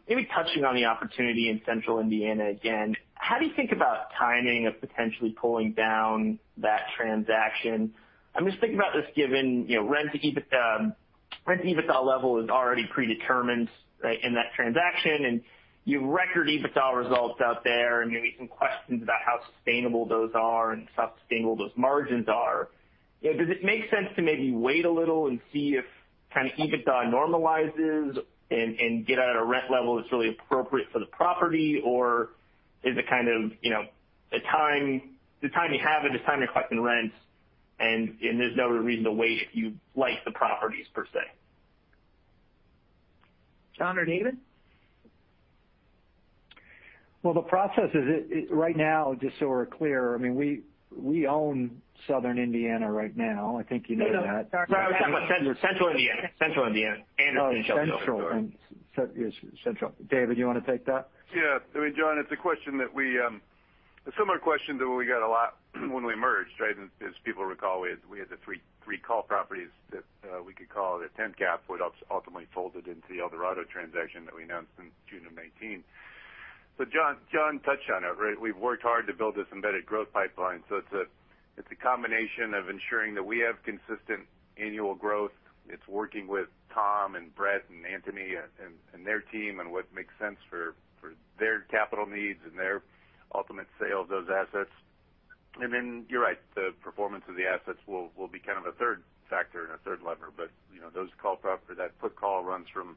Maybe touching on the opportunity in central Indiana again, how do you think about timing of potentially pulling down that transaction? I'm just thinking about this given rent to EBIT, rent to EBITDA level is already predetermined in that transaction, and you record EBITDA results out there, and maybe some questions about how sustainable those are and how sustainable those margins are. Does it make sense to maybe wait a little and see if kind of EBITDA normalizes and get at a rent level that's really appropriate for the property? Is it kind of the time you have it is time you're collecting rents, and there's no other reason to wait if you like the properties, per se? John or David? Well, the process is, right now, just so we're clear, we own Southern Indiana right now. I think you know that. No, I was talking about Central Indiana. Oh, Central. Yes, Central. David, you want to take that? John, it's a similar question that we got a lot when we merged. As people recall, we had the three call properties that we could call the 10-cap, what ultimately folded into the Eldorado transaction that we announced in June of 2019. John touched on it. We've worked hard to build this embedded growth pipeline, it's a combination of ensuring that we have consistent annual growth. It's working with Tom and Brett and Anthony and their team on what makes sense for their capital needs and their ultimate sale of those assets. You're right, the performance of the assets will be kind of a third factor and a third lever. That put call runs from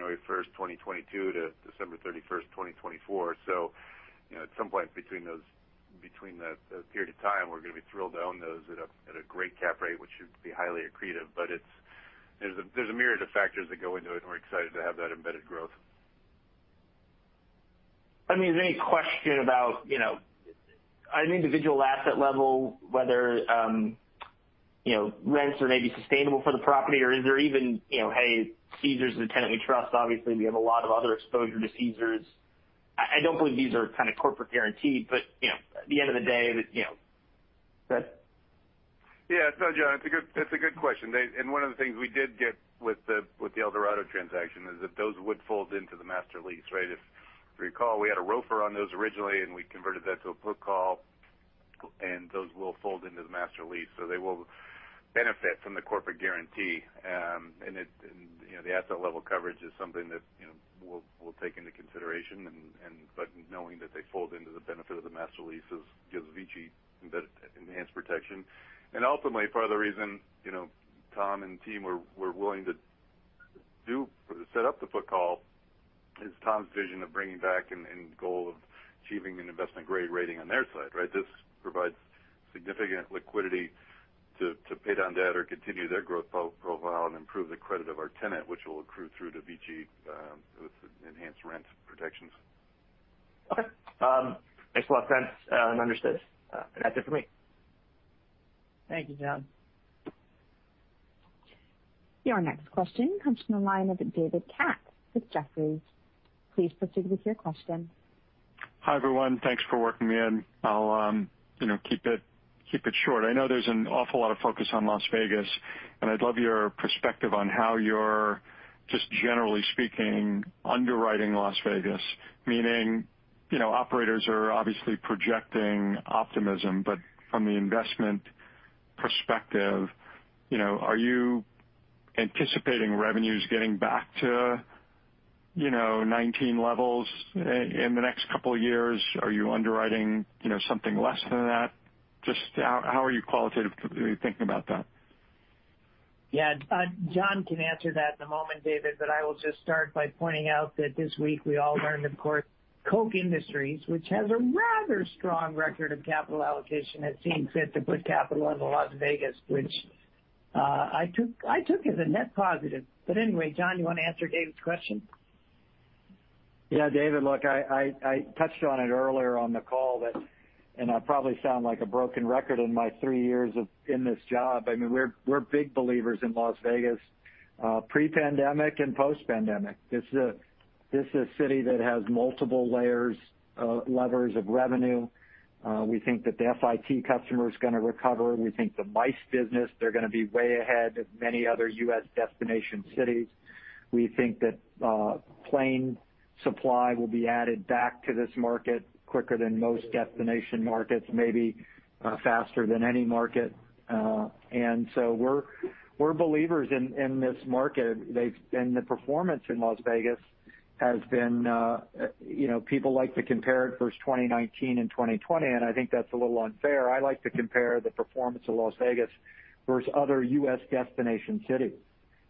January 1st, 2022, to December 31st, 2024. At some point between that period of time, we're going to be thrilled to own those at a great cap rate, which should be highly accretive. There's a myriad of factors that go into it, and we're excited to have that embedded growth. Is there any question about, at an individual asset level, whether rents are maybe sustainable for the property or is there even, Caesars is a tenant we trust. Obviously, we have a lot of other exposure to Caesars. I don't believe these are kind of corporate guaranteed, but at the end of the day Brett? No, John, that's a good question. One of the things we did get with the Eldorado transaction is that those would fold into the master lease. If you recall, we had a ROFR on those originally, we converted that to a put call, those will fold into the master lease. They will benefit from the corporate guarantee. The asset level coverage is something that we'll take into consideration, knowing that they fold into the benefit of the master leases gives VICI enhanced protection. Ultimately, part of the reason Tom and team were willing to set up the put call is Tom's vision of bringing back and goal of achieving an investment-grade rating on their side. This provides significant liquidity to pay down debt or continue their growth profile and improve the credit of our tenant, which will accrue through to VICI with enhanced rent protections. Okay. Thanks a lot, Brett. Understood. That's it for me. Thank you, John. Your next question comes from the line of David Katz with Jefferies. Please proceed with your question. Hi, everyone. Thanks for working me in. I'll keep it short. I know there's an awful lot of focus on Las Vegas, and I'd love your perspective on how you're, just generally speaking, underwriting Las Vegas, meaning operators are obviously projecting optimism, but from the investment perspective, are you anticipating revenues getting back to 2019 levels in the next couple of years? Are you underwriting something less than that? Just how are you qualitatively thinking about that? Yeah. John can answer that in a moment, David, but I will just start by pointing out that this week we all learned that Koch Industries, which has a rather strong record of capital allocation, has seen fit to put capital into Las Vegas, which I took as a net positive. Anyway, John, you want to answer David's question? David, look, I touched on it earlier on the call. I probably sound like a broken record in my three years in this job. We're big believers in Las Vegas, pre-pandemic and post-pandemic. This is a city that has multiple levers of revenue. We think that the FIT customer is going to recover. We think the MICE business, they're going to be way ahead of many other U.S. destination cities. We think that plane supply will be added back to this market quicker than most destination markets, maybe faster than any market. We're believers in this market. The performance in Las Vegas has been people like to compare it versus 2019 and 2020, and I think that's a little unfair. I like to compare the performance of Las Vegas versus other U.S. destination cities.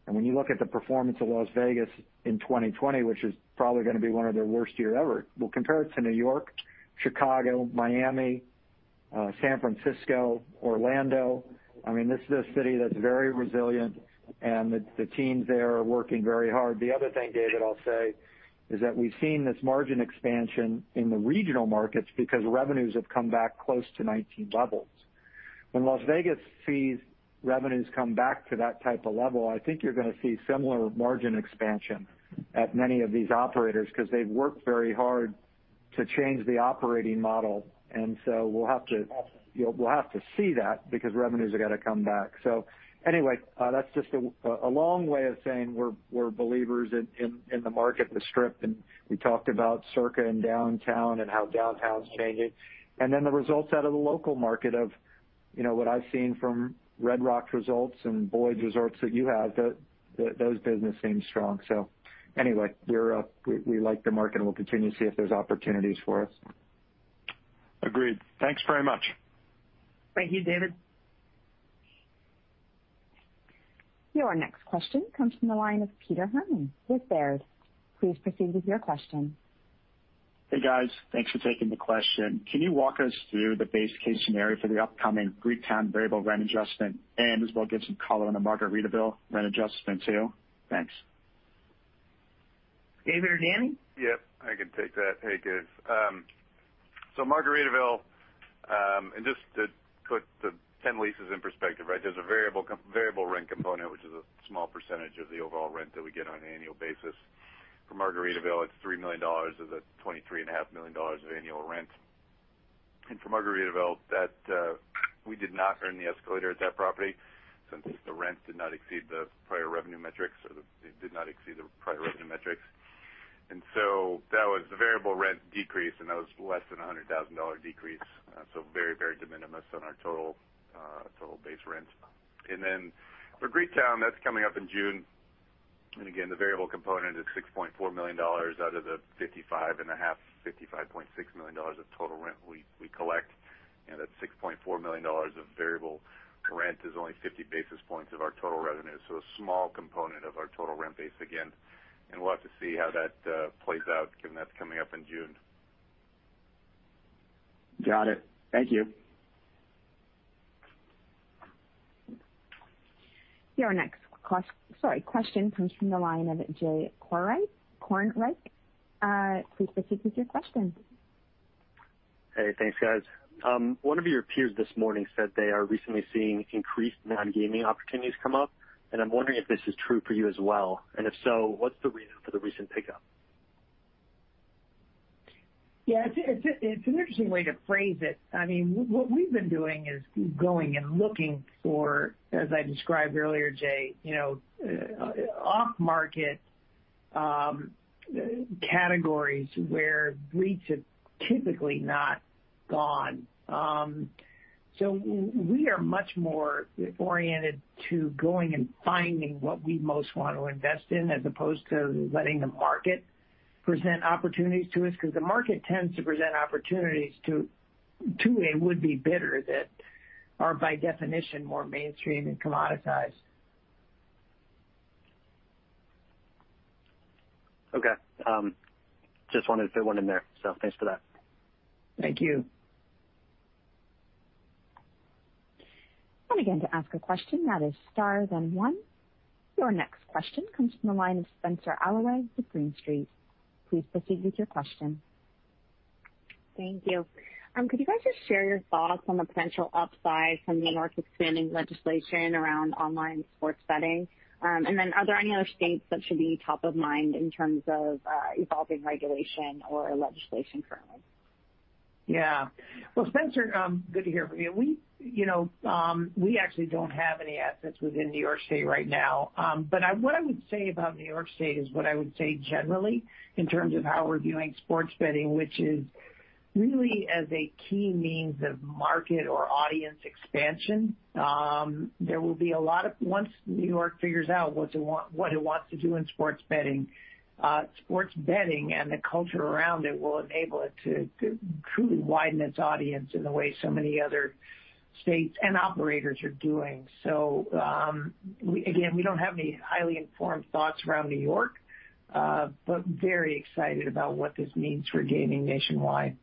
When you look at the performance of Las Vegas in 2020, which is probably going to be one of their worst year ever, well, compare it to New York, Chicago, Miami, San Francisco, Orlando. This is a city that's very resilient, and the teams there are working very hard. The other thing, David, I'll say, is that we've seen this margin expansion in the regional markets because revenues have come back close to 2019 levels. When Las Vegas sees revenues come back to that type of level, I think you're going to see similar margin expansion at many of these operators because they've worked very hard to change the operating model. We'll have to see that because revenues have got to come back. Anyway, that's just a long way of saying we're believers in the market, the Strip, and we talked about Circa and Downtown and how Downtown's changing. Then the results out of the local market of what I've seen from Red Rock's results and Boyd's resorts that you have, those business seems strong. Anyway, we like the market, and we'll continue to see if there's opportunities for us. Agreed. Thanks very much. Thank you, David. Your next question comes from the line of Peter Hermann with Baird. Please proceed with your question. Hey, guys. Thanks for taking the question. Can you walk us through the base case scenario for the upcoming Greektown variable rent adjustment and as well give some color on the Margaritaville rent adjustment, too? Thanks. David or Payne? Yep, I can take that. Hey, Peter. Margaritaville, just to put the 10 leases in perspective, right. There's a variable rent component, which is a small percentage of the overall rent that we get on an annual basis. For Margaritaville, it's $3 million of the $23.5 million of annual rent. For Margaritaville, we did not earn the escalator at that property since the rent did not exceed the prior revenue metrics. That was the variable rent decrease, and that was less than a $100,000 decrease. Very, very de minimis on our total base rent. For Greektown, that's coming up in June. Again, the variable component is $6.4 million out of the $55.6 million of total rent we collect, and that $6.4 million of variable rent is only 50 basis points of our total revenue. A small component of our total rent base again. We'll have to see how that plays out, given that's coming up in June. Got it. Thank you. Your next question comes from the line of Jay Kornreich. Please proceed with your question. Hey, thanks, guys. One of your peers this morning said they are recently seeing increased non-gaming opportunities come up, and I'm wondering if this is true for you as well, and if so, what's the reason for the recent pickup? Yeah, it's an interesting way to phrase it. What we've been doing is going and looking for, as I described earlier, Jay, off-market categories where REITs have typically not gone. We are much more oriented to going and finding what we most want to invest in, as opposed to letting the market present opportunities to us, because the market tends to present opportunities to a would-be bidder that are by definition, more mainstream and commoditized. Okay. Just wanted to fit one in there, so thanks for that. Thank you. Again, to ask a question that is star one. Your next question comes from the line of Spenser Allaway with Green Street. Please proceed with your question. Thank you. Could you guys just share your thoughts on the potential upside from New York expanding legislation around online sports betting? Are there any other states that should be top of mind in terms of evolving regulation or legislation currently? Yeah. Well, Spenser, good to hear from you. We actually don't have any assets within New York State right now. What I would say about New York State is what I would say generally in terms of how we're viewing sports betting, which is really as a key means of market or audience expansion. Once New York figures out what it wants to do in sports betting, sports betting and the culture around it will enable it to truly widen its audience in the way so many other states and operators are doing. Again, we don't have any highly informed thoughts around New York. Very excited about what this means for gaming nationwide.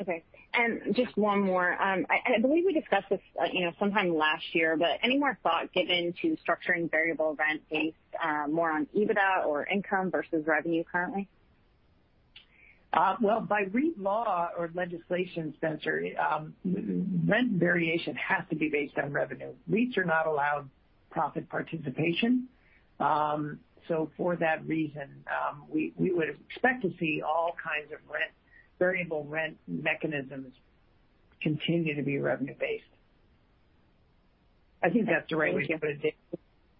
Okay. Just one more. I believe we discussed this sometime last year, any more thought given to structuring variable rent based more on EBITDA or income versus revenue currently? Well, by REIT law or legislation, Spenser, rent variation has to be based on revenue. REITs are not allowed profit participation. For that reason, we would expect to see all kinds of variable rent mechanisms continue to be revenue based. I think that's the right way to put it, David.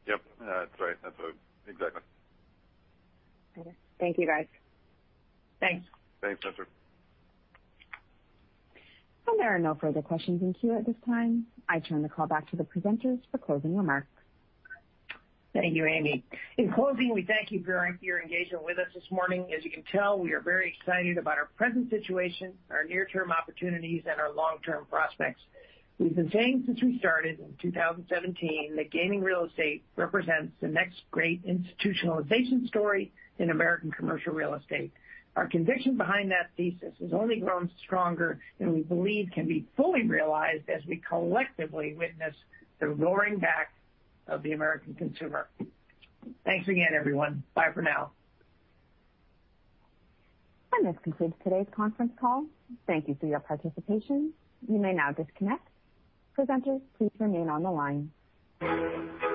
Yep. That's right. Exactly. Okay. Thank you, guys. Thanks. Thanks, Spenser. There are no further questions in queue at this time. I turn the call back to the presenters for closing remarks. Thank you, Amy. In closing, we thank you for your engagement with us this morning. As you can tell, we are very excited about our present situation, our near-term opportunities, and our long-term prospects. We've been saying since we started in 2017 that gaming real estate represents the next great institutionalization story in American commercial real estate. Our conviction behind that thesis has only grown stronger, and we believe can be fully realized as we collectively witness the roaring back of the American consumer. Thanks again, everyone. Bye for now. This concludes today's conference call. Thank you for your participation. You may now disconnect. Presenters, please remain on the line.